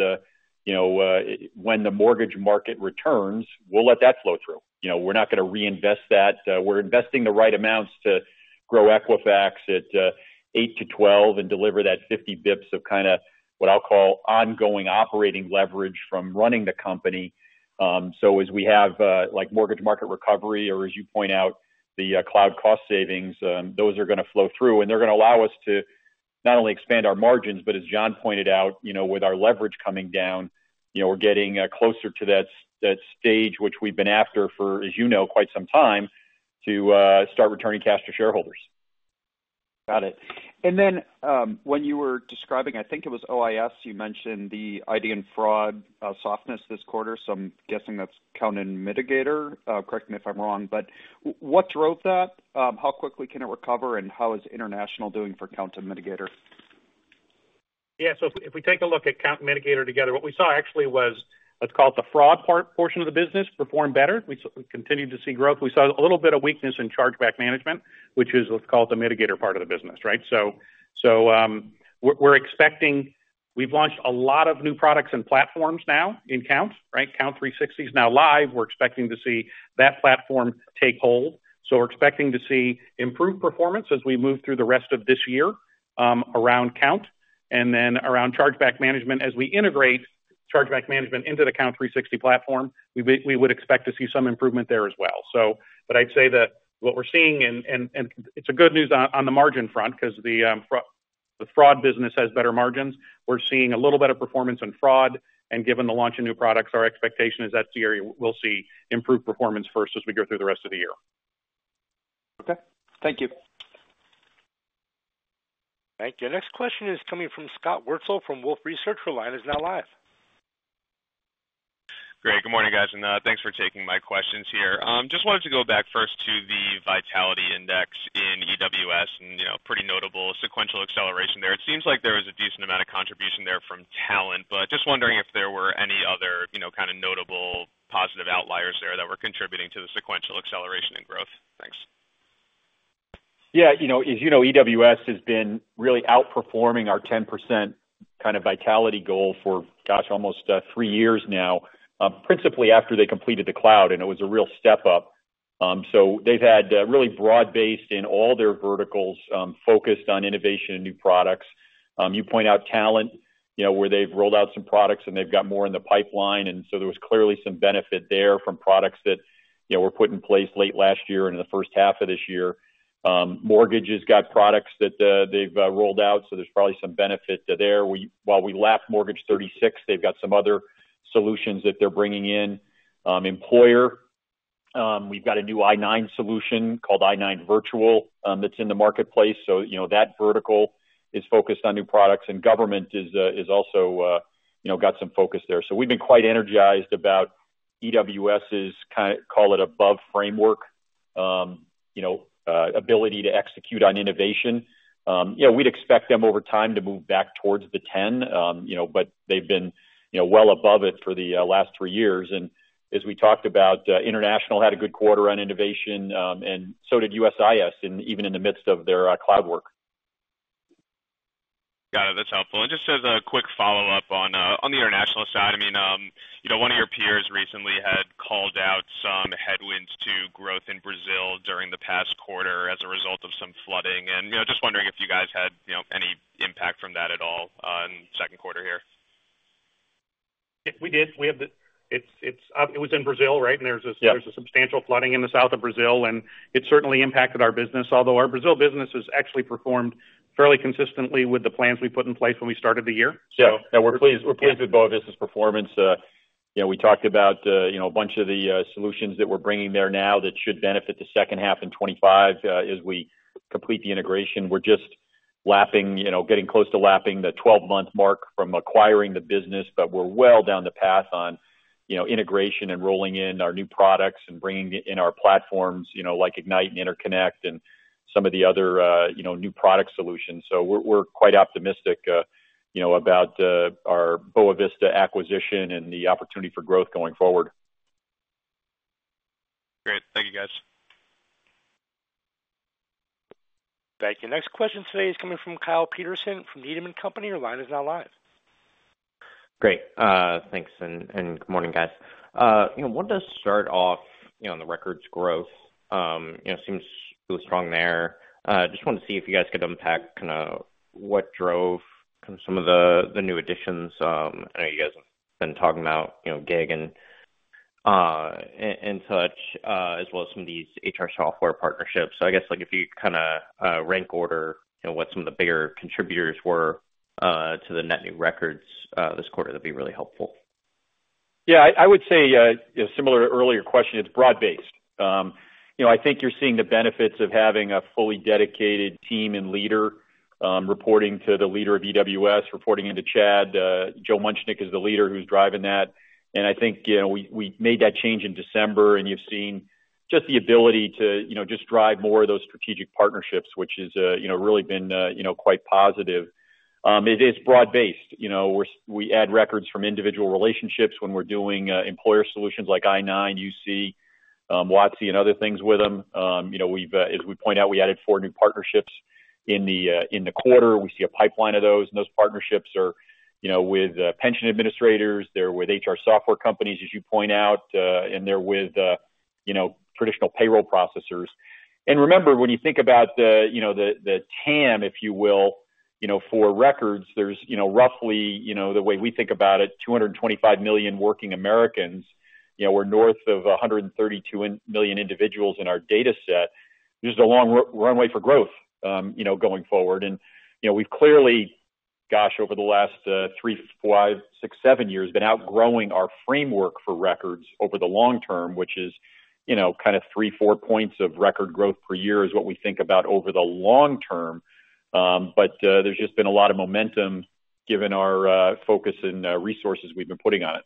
you know, when the mortgage market returns, we'll let that flow through. You know, we're not gonna reinvest that. We're investing the right amounts to grow Equifax at 8-12 and deliver that 50 basis points of kind of, what I'll call ongoing operating leverage from running the company. So as we have like mortgage market recovery, or as you point out, the cloud cost savings, those are gonna flow through, and they're gonna allow us to not only expand our margins, but as John pointed out, you know, with our leverage coming down, you know, we're getting closer to that stage, which we've been after for, as you know, quite some time, to start returning cash to shareholders. Got it. And then, when you were describing, I think it was USIS, you mentioned the ID and fraud softness this quarter, so I'm guessing that's Kount and Midigator, correct me if I'm wrong, but what drove that? How quickly can it recover, and how is international doing for Kount and Midigator? Yeah, so if we take a look at Kount and Midigator together, what we saw actually was, let's call it the fraud portion of the business, performed better. We continued to see growth. We saw a little bit of weakness in chargeback management, which is, let's call it the Midigator part of the business, right? So, we're expecting... We've launched a lot of new products and platforms now in Kount, right? Kount 360 is now live. We're expecting to see that platform take hold. So we're expecting to see improved performance as we move through the rest of this year, around Kount. And then around chargeback management, as we integrate chargeback management into the Kount 360 platform, we would expect to see some improvement there as well. But I'd say that what we're seeing, and it's good news on the margin front, 'cause the fraud business has better margins. We're seeing a little better performance on fraud, and given the launch of new products, our expectation is that's the area we'll see improved performance first as we go through the rest of the year. Okay. Thank you. Thank you. Next question is coming from Scott Wurtzel from Wolfe Research. Your line is now live. Great. Good morning, guys, and, thanks for taking my questions here. Just wanted to go back first to the Vitality Index in EWS, and, you know, pretty notable sequential acceleration there. It seems like there was a decent amount of contribution there from talent, but just wondering if there were any other, you know, kind of notable positive outliers there that were contributing to the sequential acceleration and growth? Thanks. Yeah, you know, as you know, EWS has been really outperforming our 10% kind of vitality goal for, gosh, almost three years now, principally after they completed the cloud, and it was a real step up. So they've had really broad-based in all their verticals, focused on innovation and new products. You point out talent, you know, where they've rolled out some products and they've got more in the pipeline, and so there was clearly some benefit there from products that, you know, were put in place late last year and in the first half of this year. Mortgages got products that they've rolled out, so there's probably some benefit there. While we lap Uncertain, they've got some other solutions that they're bringing in. Employer, we've got a new I-9 solution called I-9 Virtual that's in the marketplace, so you know, that vertical is focused on new products, and government is also, you know, got some focus there. So we've been quite energized about EWS's call it above framework, you know, ability to execute on innovation. Yeah, we'd expect them over time to move back towards the 10, you know, but they've been, you know, well above it for the last three years. And as we talked about, international had a good quarter on innovation, and so did USIS, even in the midst of their cloud work. Got it. That's helpful. And just as a quick follow-up on the international side, I mean, you know, one of your peers recently had called out some headwinds to growth in Brazil during the past quarter as a result of some flooding. And, you know, just wondering if you guys had, you know, any impact from that at all on second quarter here? We did. We have the. It's, it's, it was in Brazil, right? Yeah. There's a substantial flooding in the south of Brazil, and it certainly impacted our business, although our Brazil business has actually performed fairly consistently with the plans we put in place when we started the year. Yeah, yeah, we're pleased with Boa Vista's performance. You know, we talked about, you know, a bunch of the solutions that we're bringing there now that should benefit the second half in 2025, as we complete the integration. We're just lapping, you know, getting close to lapping the 12-month mark from acquiring the business, but we're well down the path on, you know, integration and rolling in our new products and bringing in our platforms, you know, like Ignite and Interconnect and some of the other, you know, new product solutions. So we're, we're quite optimistic, you know, about our Boa Vista acquisition and the opportunity for growth going forward. Great. Thank you, guys. Thank you. Next question today is coming from Kyle Peterson from Needham and Company. Your line is now live. Great. Thanks, and good morning, guys. You know, wanted to start off, you know, on the records growth, you know, seems strong there. Just wanted to see if you guys could unpack kind of what drove kind of some of the new additions. I know you guys have been talking about, you know, Gig and such, as well as some of these HR software partnerships. So I guess, like, if you kind of rank order, you know, what some of the bigger contributors were to the net new records this quarter, that'd be really helpful. Yeah, I would say, you know, similar to earlier question, it's broad-based. You know, I think you're seeing the benefits of having a fully dedicated team and leader reporting to the leader of EWS, reporting into Chad. Joe Muchnick is the leader who's driving that, and I think, you know, we made that change in December, and you've seen just the ability to, you know, just drive more of those strategic partnerships, which is, you know, really been, you know, quite positive. It is broad-based. You know, we're we add records from individual relationships when we're doing employer solutions like I-9, UC, WOTC and other things with them. You know, we've, as we point out, we added four new partnerships in the quarter. We see a pipeline of those, and those partnerships are, you know, with pension administrators, they're with HR software companies, as you point out, and they're with, you know, traditional payroll processors. And remember, when you think about the, you know, the TAM, if you will, you know, for records, there's, you know, roughly, you know, the way we think about it, 225 million working Americans. You know, we're north of 132 million individuals in our dataset. There's a long runway for growth, you know, going forward. And, you know, we've clearly, gosh, over the last 3, 5, 6, 7 years, been outgrowing our framework for records over the long term, which is, you know, kind of 3, 4 points of record growth per year, is what we think about over the long term. But, there's just been a lot of momentum, given our focus and resources we've been putting on it.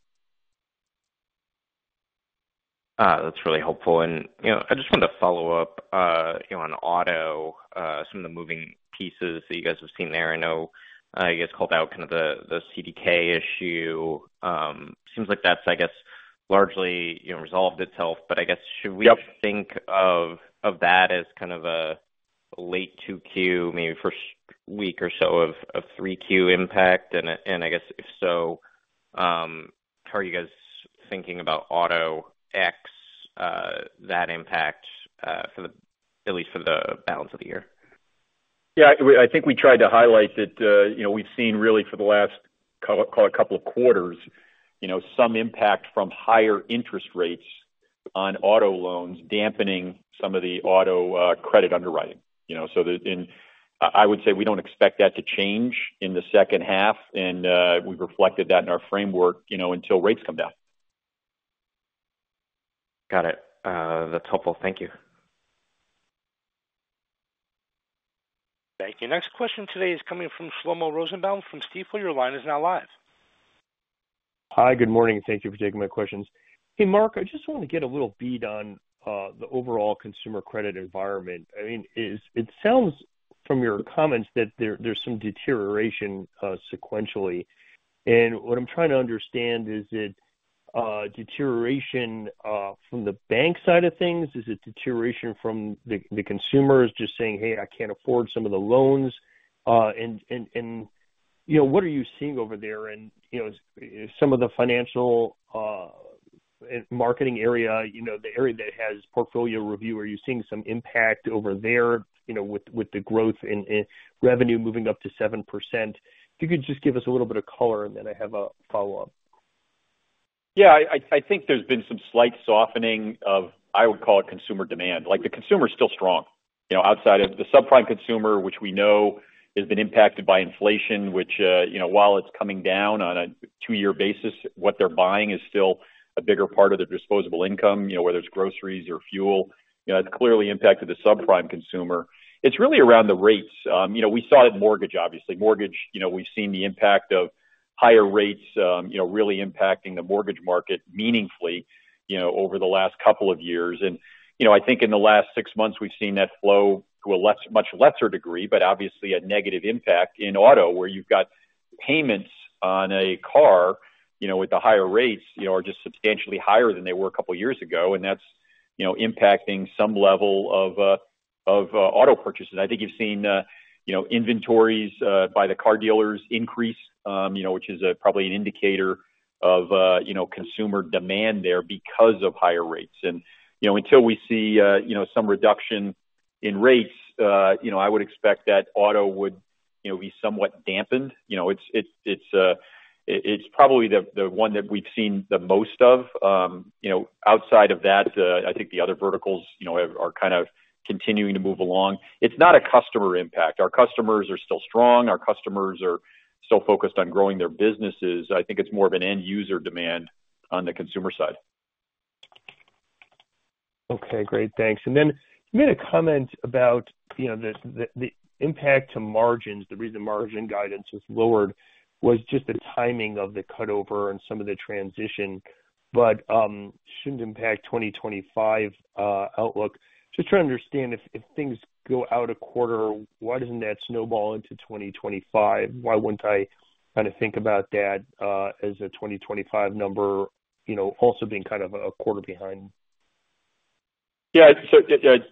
That's really helpful. And, you know, I just wanted to follow up, you know, on auto, some of the moving pieces that you guys have seen there. I know, you guys called out kind of the CDK issue. Seems like that's, I guess, largely, you know, resolved itself. But I guess- Yep. Should we think of that as kind of a late 2Q, maybe first week or so of 3Q impact? And I guess, if so, how are you guys thinking about auto ex, that impact, for the... at least for the balance of the year? Yeah, I think we tried to highlight that, you know, we've seen really for the last call it a couple of quarters, you know, some impact from higher interest rates on auto loans, dampening some of the auto credit underwriting, you know. And I would say we don't expect that to change in the second half, and we've reflected that in our framework, you know, until rates come down. Got it. That's helpful. Thank you. Thank you. Next question today is coming from Shlomo Rosenbaum, from Stifel. Your line is now live. Hi, good morning, and thank you for taking my questions. Hey, Mark, I just want to get a little bead on the overall consumer credit environment. I mean, it sounds from your comments that there, there's some deterioration sequentially. And what I'm trying to understand, is it deterioration from the bank side of things? Is it deterioration from the consumers just saying, "Hey, I can't afford some of the loans." And, you know, what are you seeing over there? And, you know, some of the financial marketing area, you know, the area that has portfolio review, are you seeing some impact over there, you know, with the growth in revenue moving up to 7%? If you could just give us a little bit of color, and then I have a follow-up. Yeah, I think there's been some slight softening of, I would call it, consumer demand. Like, the consumer is still strong. You know, outside of the subprime consumer, which we know has been impacted by inflation, which, you know, while it's coming down on a two-year basis, what they're buying is still a bigger part of their disposable income, you know, whether it's groceries or fuel. You know, it's clearly impacted the subprime consumer. It's really around the rates. You know, we saw it in mortgage, obviously. Mortgage, you know, we've seen the impact of higher rates, you know, really impacting the mortgage market meaningfully, you know, over the last couple of years. You know, I think in the last six months, we've seen that flow to a much lesser degree, but obviously a negative impact in auto, where you've got payments on a car, you know, with the higher rates, you know, are just substantially higher than they were a couple of years ago, and that's, you know, impacting some level of auto purchases. I think you've seen, you know, inventories by the car dealers increase, you know, which is probably an indicator of, you know, consumer demand there because of higher rates. You know, until we see, you know, some reduction in rates, you know, I would expect that auto would, you know, be somewhat dampened. You know, it's probably the one that we've seen the most of. you know, outside of that, I think the other verticals, you know, are kind of continuing to move along. It's not a customer impact. Our customers are still strong. Our customers are still focused on growing their businesses. I think it's more of an end-user demand on the consumer side. Okay, great. Thanks. And then you made a comment about, you know, the, the, the impact to margins. The reason margin guidance was lowered was just the timing of the cutover and some of the transition, but shouldn't impact 2025 outlook. Just trying to understand, if things go out a quarter, why doesn't that snowball into 2025? Why wouldn't I kind of think about that as a 2025 number, you know, also being kind of a quarter behind? Yeah, so,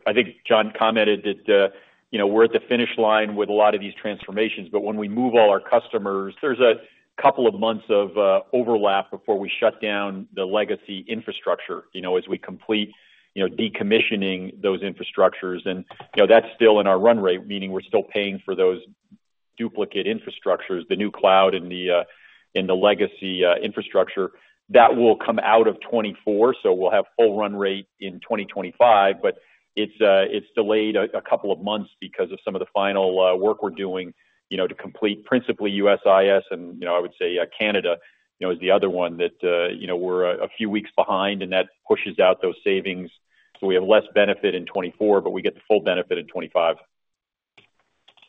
I think John commented that, you know, we're at the finish line with a lot of these transformations, but when we move all our customers, there's a couple of months of overlap before we shut down the legacy infrastructure, you know, as we complete, you know, decommissioning those infrastructures. And, you know, that's still in our run rate, meaning we're still paying for those duplicate infrastructures, the new cloud and the, and the legacy infrastructure. That will come out of 2024, so we'll have full run rate in 2025, but it's delayed a couple of months because of some of the final work we're doing, you know, to complete principally USIS and, you know, I would say Canada, you know, is the other one that, you know, we're a few weeks behind, and that pushes out those savings. So we have less benefit in 2024, but we get the full benefit in 2025.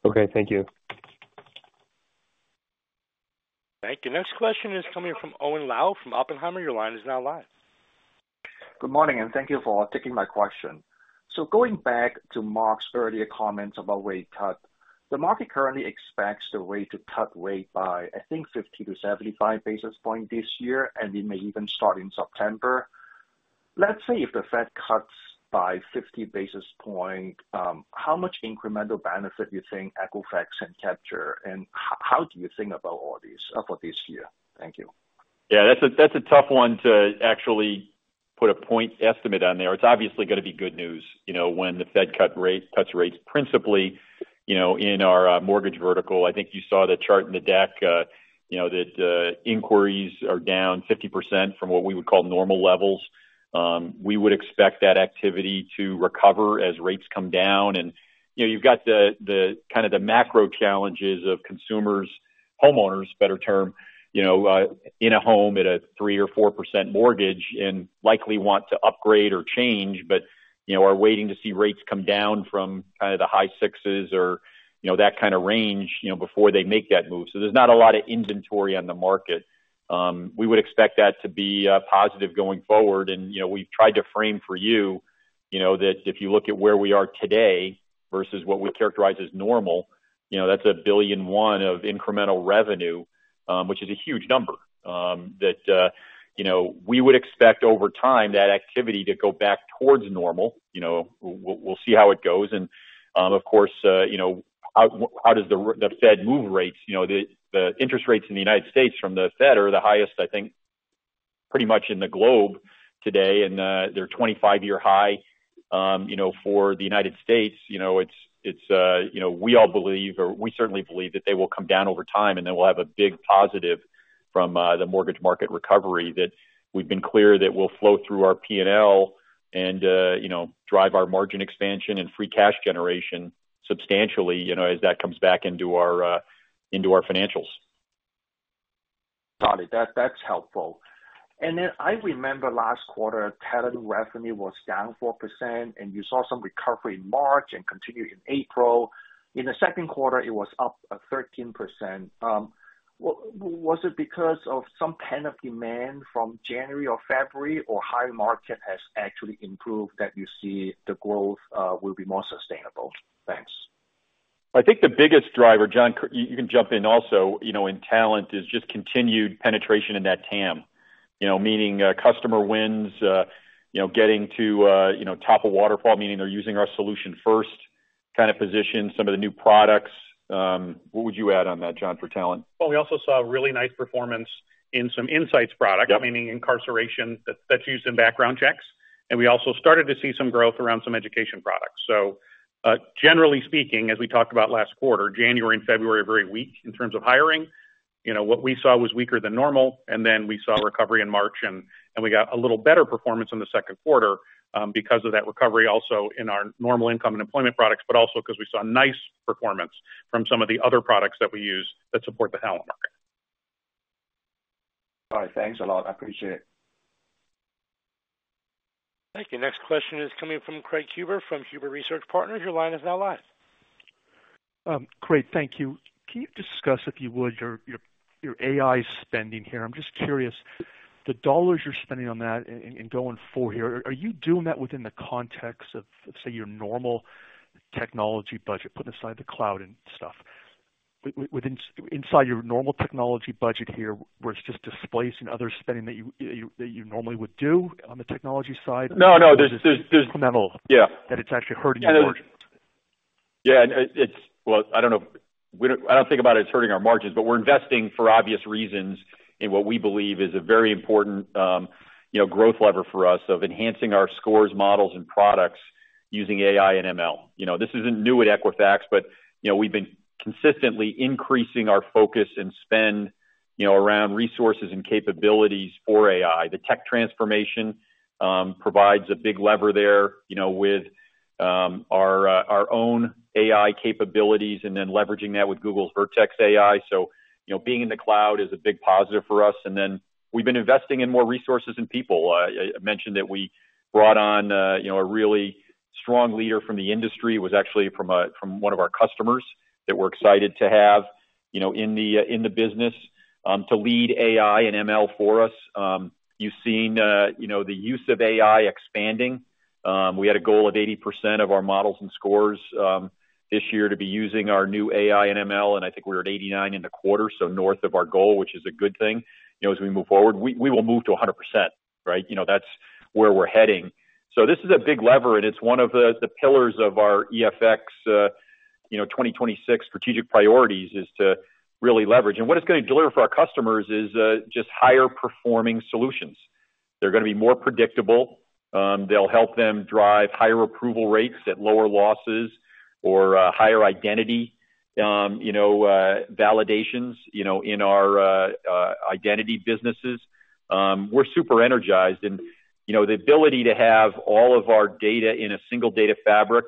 Okay, thank you. Thank you. Next question is coming from Owen Lau from Oppenheimer. Your line is now live. Good morning, and thank you for taking my question. So going back to Mark's earlier comments about rate cut, the market currently expects the to cut rate by, I think, 50-75 basis points this year, and we may even start in September. Let's say if the Fed cuts by 50 basis points, how much incremental benefit you think Equifax can capture, and how do you think about all these for this year? Thank you. Yeah, that's a tough one to actually put a point estimate on there. It's obviously gonna be good news, you know, when the Fed cuts rates, principally, you know, in our mortgage vertical. I think you saw the chart in the deck, you know, that inquiries are down 50% from what we would call normal levels. We would expect that activity to recover as rates come down. And, you know, you've got the kind of macro challenges of consumers, homeowners, better term, you know, in a home at a 3% or 4% mortgage and likely want to upgrade or change, but, you know, are waiting to see rates come down from kind of the high sixes or, you know, that kind of range, you know, before they make that move. So there's not a lot of inventory on the market. We would expect that to be positive going forward. And, you know, we've tried to frame for you, you know, that if you look at where we are today versus what we characterize as normal, you know, that's $1.1 billion of incremental revenue, which is a huge number. That, you know, we would expect over time, that activity to go back towards normal. You know, we'll see how it goes. And, of course, you know, how does the Fed move rates? You know, the interest rates in the United States from the Fed are the highest, I think, pretty much in the globe today, and they're a 25-year high. You know, for the United States, you know, it's, it's, you know, we all believe or we certainly believe that they will come down over time, and then we'll have a big positive from the mortgage market recovery that we've been clear that will flow through our P&L and, you know, drive our margin expansion and free cash generation substantially, you know, as that comes back into our financials. Got it. That, that's helpful. And then I remember last quarter, talent revenue was down 4%, and you saw some recovery in March and continued in April. In the second quarter, it was up 13%. Was it because of some pent-up demand from January or February, or the market has actually improved, that you see the growth will be more sustainable? Thanks. I think the biggest driver, John, you can jump in also, you know, in talent, is just continued penetration in that TAM. You know, meaning, customer wins, you know, getting to, you know, top of waterfall, meaning they're using our solution first, kind of position some of the new products. What would you add on that, John, for talent? Well, we also saw a really nice performance in some insights products- Yep. meaning incarceration, that's used in background checks. And we also started to see some growth around some education products. So, generally speaking, as we talked about last quarter, January and February are very weak in terms of hiring. You know, what we saw was weaker than normal, and then we saw recovery in March, and we got a little better performance in the second quarter, because of that recovery also in our normal income and employment products, but also because we saw a nice performance from some of the other products that we use that support the talent market. All right. Thanks a lot. I appreciate it. Thank you. Next question is coming from Craig Huber, from Huber Research Partners. Your line is now live. Craig, thank you. Can you discuss, if you would, your AI spending here? I'm just curious, the dollars you're spending on that and going forward here, are you doing that within the context of, say, your normal technology budget, putting aside the cloud and stuff? Within, inside your normal technology budget here, where it's just displacing other spending that you normally would do on the technology side? No, no. There's- Supplemental- Yeah. that it's actually hurting your margins. Yeah, it's... Well, I don't know. I don't think about it as hurting our margins, but we're investing for obvious reasons in what we believe is a very important, you know, growth lever for us of enhancing our scores, models, and products using AI and ML. You know, this isn't new at Equifax, but, you know, we've been consistently increasing our focus and spend, you know, around resources and capabilities for AI. The tech transformation provides a big lever there, you know, with our own AI capabilities, and then leveraging that with Google's Vertex AI. So, you know, being in the cloud is a big positive for us, and then we've been investing in more resources and people. I mentioned that we brought on, you know, a really strong leader from the industry, was actually from one of our customers, that we're excited to have, you know, in the, in the business, to lead AI and ML for us. You've seen, you know, the use of AI expanding. We had a goal of 80% of our models and scores, this year, to be using our new AI and ML, and I think we're at 89 in the quarter, so north of our goal, which is a good thing. You know, as we move forward, we will move to 100%, right? You know, that's where we're heading. So this is a big lever, and it's one of the pillars of our EFX, you know, 2026 strategic priorities, is to really leverage. What it's gonna deliver for our customers is just higher performing solutions. They're gonna be more predictable. They'll help them drive higher approval rates at lower losses or higher identity validations, you know, in our identity businesses. We're super energized. And, you know, the ability to have all of our data in a single data fabric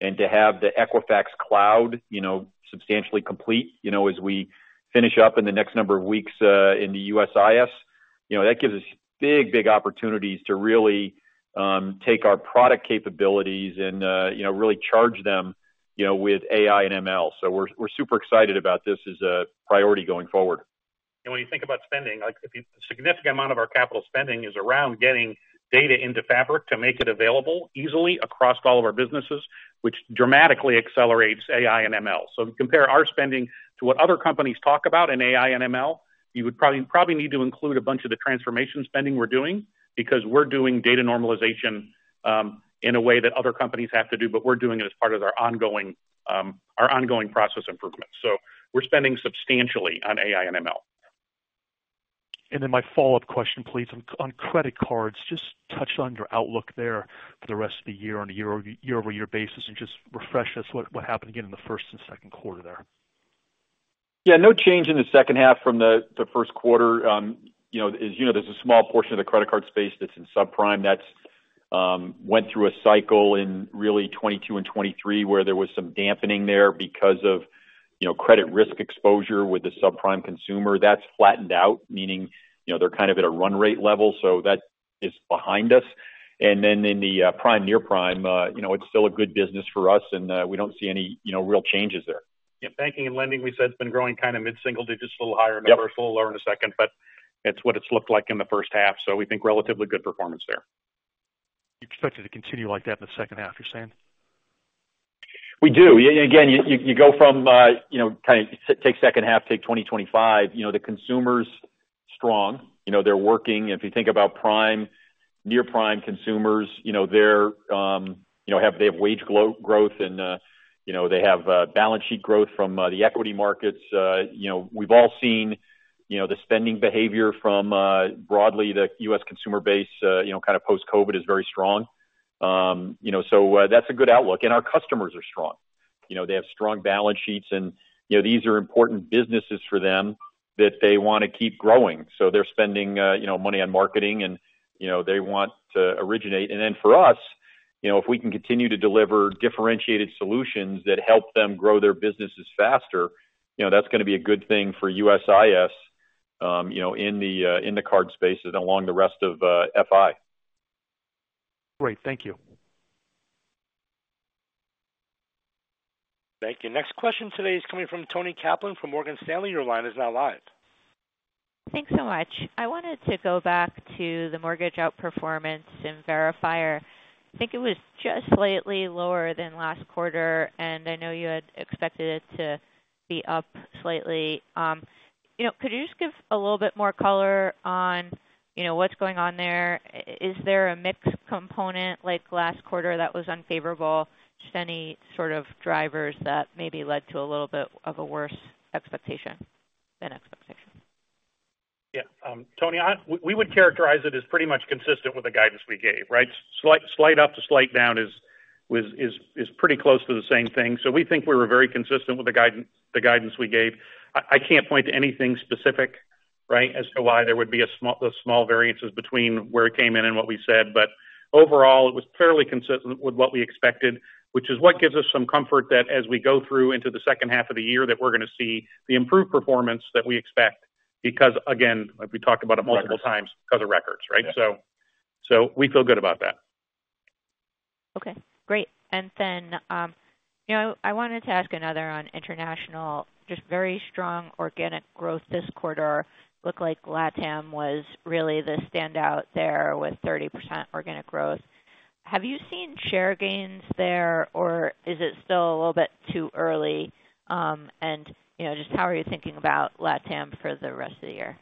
and to have the Equifax Cloud, you know, substantially complete, you know, as we finish up in the next number of weeks in the USIS, you know, that gives us big, big opportunities to really take our product capabilities and, you know, really charge them, you know, with AI and ML. So we're super excited about this as a priority going forward. When you think about spending, like, a significant amount of our capital spending is around getting data into Fabric to make it available easily across all of our businesses, which dramatically accelerates AI and ML. Compare our spending to what other companies talk about in AI and ML, you would probably, probably need to include a bunch of the transformation spending we're doing, because we're doing data normalization in a way that other companies have to do, but we're doing it as part of our ongoing, our ongoing process improvement. We're spending substantially on AI and ML. Then my follow-up question, please, on credit cards: just touch on your outlook there for the rest of the year on a year-over-year basis, and just refresh us what happened again in the first and second quarter there. Yeah, no change in the second half from the first quarter. You know, as you know, there's a small portion of the credit card space that's in subprime that went through a cycle in really 2022 and 2023, where there was some dampening there because of, you know, credit risk exposure with the subprime consumer. That's flattened out, meaning, you know, they're kind of at a run rate level, so that is behind us. And then in the prime, near-prime, you know, it's still a good business for us, and we don't see any, you know, real changes there. Yeah, banking and lending, we said, has been growing kind of mid-single digits, a little higher number- Yep... a little lower in a second, but it's what it's looked like in the first half, so we think relatively good performance there. You expect it to continue like that in the second half, you're saying? We do. Again, you go from, you know, kind of take second half, take 2025, you know, the consumer's strong. You know, they're working. If you think about prime, near-prime consumers, you know, they're, you know, they have wage growth and, you know, they have, balance sheet growth from, the equity markets. You know, we've all seen, you know, the spending behavior from, broadly, the U.S. consumer base, you know, kind of post-COVID is very strong. You know, so, that's a good outlook. And our customers are strong. You know, they have strong balance sheets and, you know, these are important businesses for them that they wanna keep growing. So they're spending, you know, money on marketing and, you know, they want to originate. And then for us, you know, if we can continue to deliver differentiated solutions that help them grow their businesses faster, you know, that's gonna be a good thing for USIS, you know, in the card space and along the rest of FI. Great. Thank you. Thank you. Next question today is coming from Toni Kaplan from Morgan Stanley. Your line is now live. Thanks so much. I wanted to go back to the mortgage outperformance in Verifier. I think it was just slightly lower than last quarter, and I know you had expected it to be up slightly. You know, could you just give a little bit more color on, you know, what's going on there? Is there a mix component like last quarter that was unfavorable? Just any sort of drivers that maybe led to a little bit of a worse expectation... than expectation? Yeah, Toni, we would characterize it as pretty much consistent with the guidance we gave, right? Slight up to slight down is pretty close to the same thing. So we think we were very consistent with the guidance we gave. I can't point to anything specific, right? As to why there would be a small the small variances between where it came in and what we said, but overall, it was fairly consistent with what we expected, which is what gives us some comfort that as we go through into the second half of the year, that we're gonna see the improved performance that we expect. Because, again, like we talked about it multiple times, because of records, right? Yeah. So, we feel good about that. Okay, great. And then, you know, I wanted to ask another on international, just very strong organic growth this quarter. Looked like LatAm was really the standout there with 30% organic growth. Have you seen share gains there, or is it still a little bit too early? And, you know, just how are you thinking about LatAm for the rest of the year?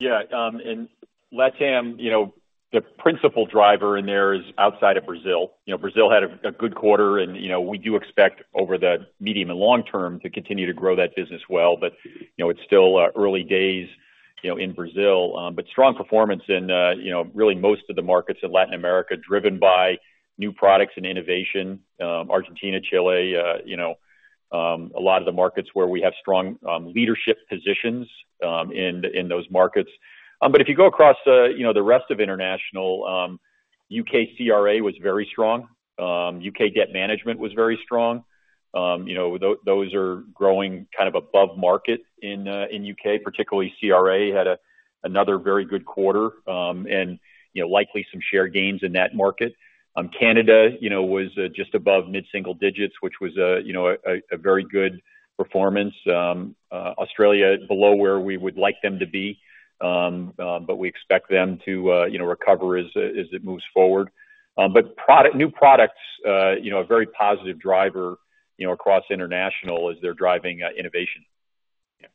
Yeah, in LatAm, you know, the principal driver in there is outside of Brazil. You know, Brazil had a good quarter and, you know, we do expect over the medium and long term to continue to grow that business well. But, you know, it's still early days, you know, in Brazil. But strong performance in, you know, really most of the markets in Latin America, driven by new products and innovation, Argentina, Chile, you know, a lot of the markets where we have strong leadership positions, in those markets. But if you go across, you know, the rest of international, UK CRA was very strong. UK debt management was very strong. You know, those are growing kind of above market in UK, particularly CRA had another very good quarter, and, you know, likely some share gains in that market. Canada, you know, was just above mid-single digits, which was, you know, a very good performance. Australia, below where we would like them to be, but we expect them to, you know, recover as it moves forward. But new products, you know, a very positive driver, you know, across international as they're driving innovation. Yeah.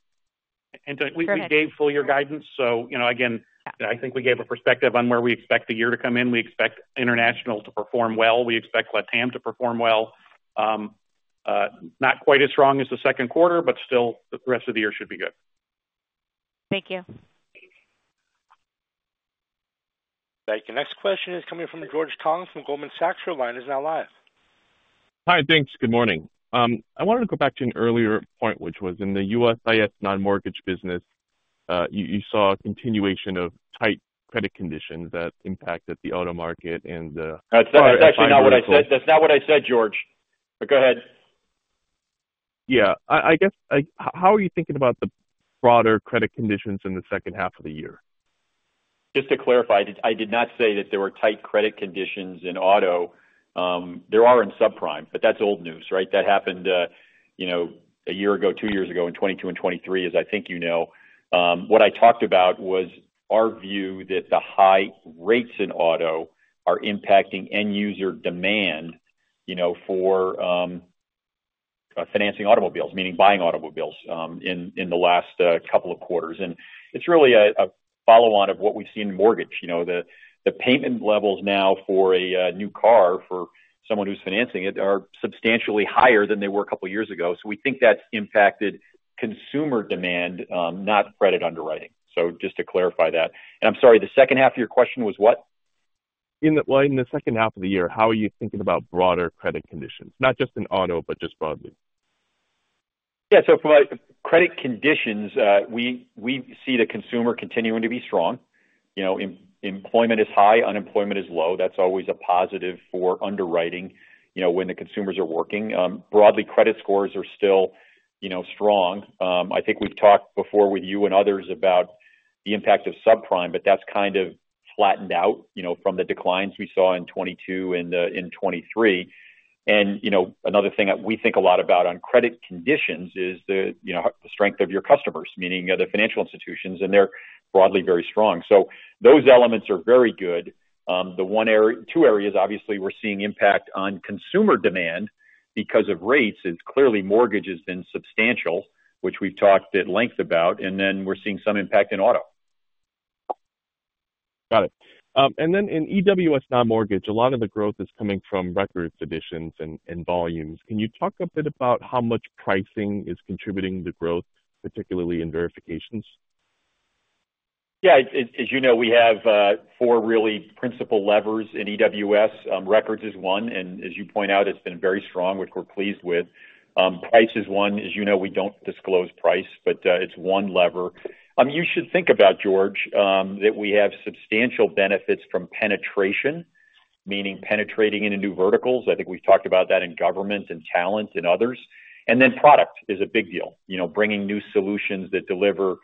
Perfect. We gave full year guidance, so you know, again. Yeah... I think we gave a perspective on where we expect the year to come in. We expect international to perform well. We expect LatAm to perform well. Not quite as strong as the second quarter, but still, the rest of the year should be good. Thank you. Thank you. Next question is coming from George Tong from Goldman Sachs. Your line is now live. Hi, thanks. Good morning. I wanted to go back to an earlier point, which was in the USIS non-mortgage business, you saw a continuation of tight credit conditions that impacted the auto market and, That's not what I said. That's not what I said, George, but go ahead. Yeah. I guess, like, how are you thinking about the broader credit conditions in the second half of the year? Just to clarify, I did, I did not say that there were tight credit conditions in auto. There are in subprime, but that's old news, right? That happened, you know, a year ago, two years ago, in 2022 and 2023, as I think you know. What I talked about was our view that the high rates in auto are impacting end user demand, you know, for financing automobiles, meaning buying automobiles, in the last couple of quarters. And it's really a follow on of what we see in mortgage. You know, the payment levels now for a new car, for someone who's financing it, are substantially higher than they were a couple years ago. So we think that's impacted consumer demand, not credit underwriting. So just to clarify that. I'm sorry, the second half of your question was what? Well, in the second half of the year, how are you thinking about broader credit conditions? Not just in auto, but just broadly. Yeah. So from a credit conditions, we see the consumer continuing to be strong. You know, employment is high, unemployment is low. That's always a positive for underwriting, you know, when the consumers are working. Broadly, credit scores are still, you know, strong. I think we've talked before with you and others about the impact of subprime, but that's kind of flattened out, you know, from the declines we saw in 2022 and in 2023. And, you know, another thing that we think a lot about on credit conditions is the, you know, the strength of your customers, meaning the financial institutions, and they're broadly very strong. So those elements are very good. The one area - two areas, obviously, we're seeing impact on consumer demand because of rates. It's clearly mortgages been substantial, which we've talked at length about, and then we're seeing some impact in auto. Got it. And then in EWS non-mortgage, a lot of the growth is coming from record additions and volumes. Can you talk a bit about how much pricing is contributing to growth, particularly in verifications? Yeah, as you know, we have four really principal levers in EWS. Records is one, and as you point out, it's been very strong, which we're pleased with. Price is one. As you know, we don't disclose price, but it's one lever. You should think about, George, that we have substantial benefits from penetration, meaning penetrating into new verticals. I think we've talked about that in government and talent and others. And then product is a big deal. You know, bringing new solutions that deliver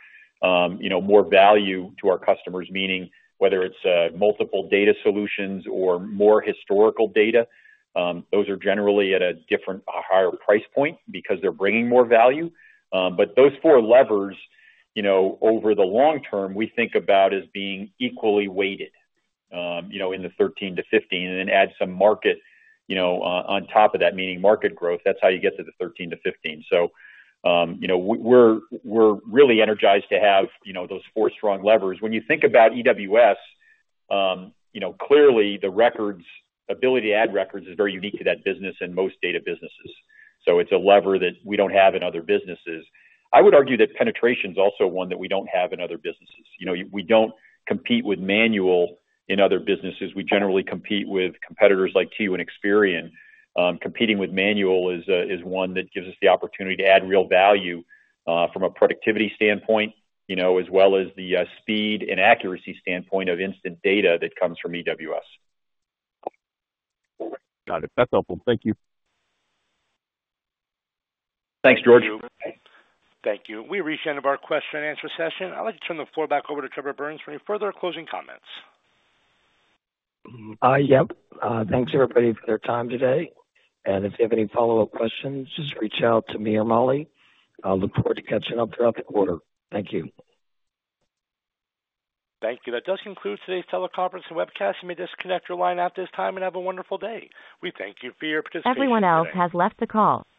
more value to our customers, meaning whether it's multiple data solutions or more historical data, those are generally at a different, a higher price point because they're bringing more value. But those four levers, you know, over the long term, we think about as being equally weighted, you know, in the 13-15, and then add some market, you know, on top of that, meaning market growth. That's how you get to the 13-15. So, you know, we're, we're really energized to have, you know, those four strong levers. When you think about EWS, you know, clearly the records' ability to add records is very unique to that business and most data businesses. So it's a lever that we don't have in other businesses. I would argue that penetration is also one that we don't have in other businesses. You know, we don't compete with manual in other businesses. We generally compete with competitors like TU and Experian. Competing with manual is one that gives us the opportunity to add real value from a productivity standpoint, you know, as well as the speed and accuracy standpoint of instant data that comes from EWS. Got it. That's helpful. Thank you. Thanks, George. Thank you. We've reached the end of our question and answer session. I'd like to turn the floor back over to Trevor Burns for any further closing comments. Yep. Thanks, everybody, for their time today, and if you have any follow-up questions, just reach out to me or Molly. I'll look forward to catching up throughout the quarter. Thank you. Thank you. That does conclude today's teleconference and webcast. You may disconnect your line at this time and have a wonderful day. We thank you for your participation. Everyone else has left the call.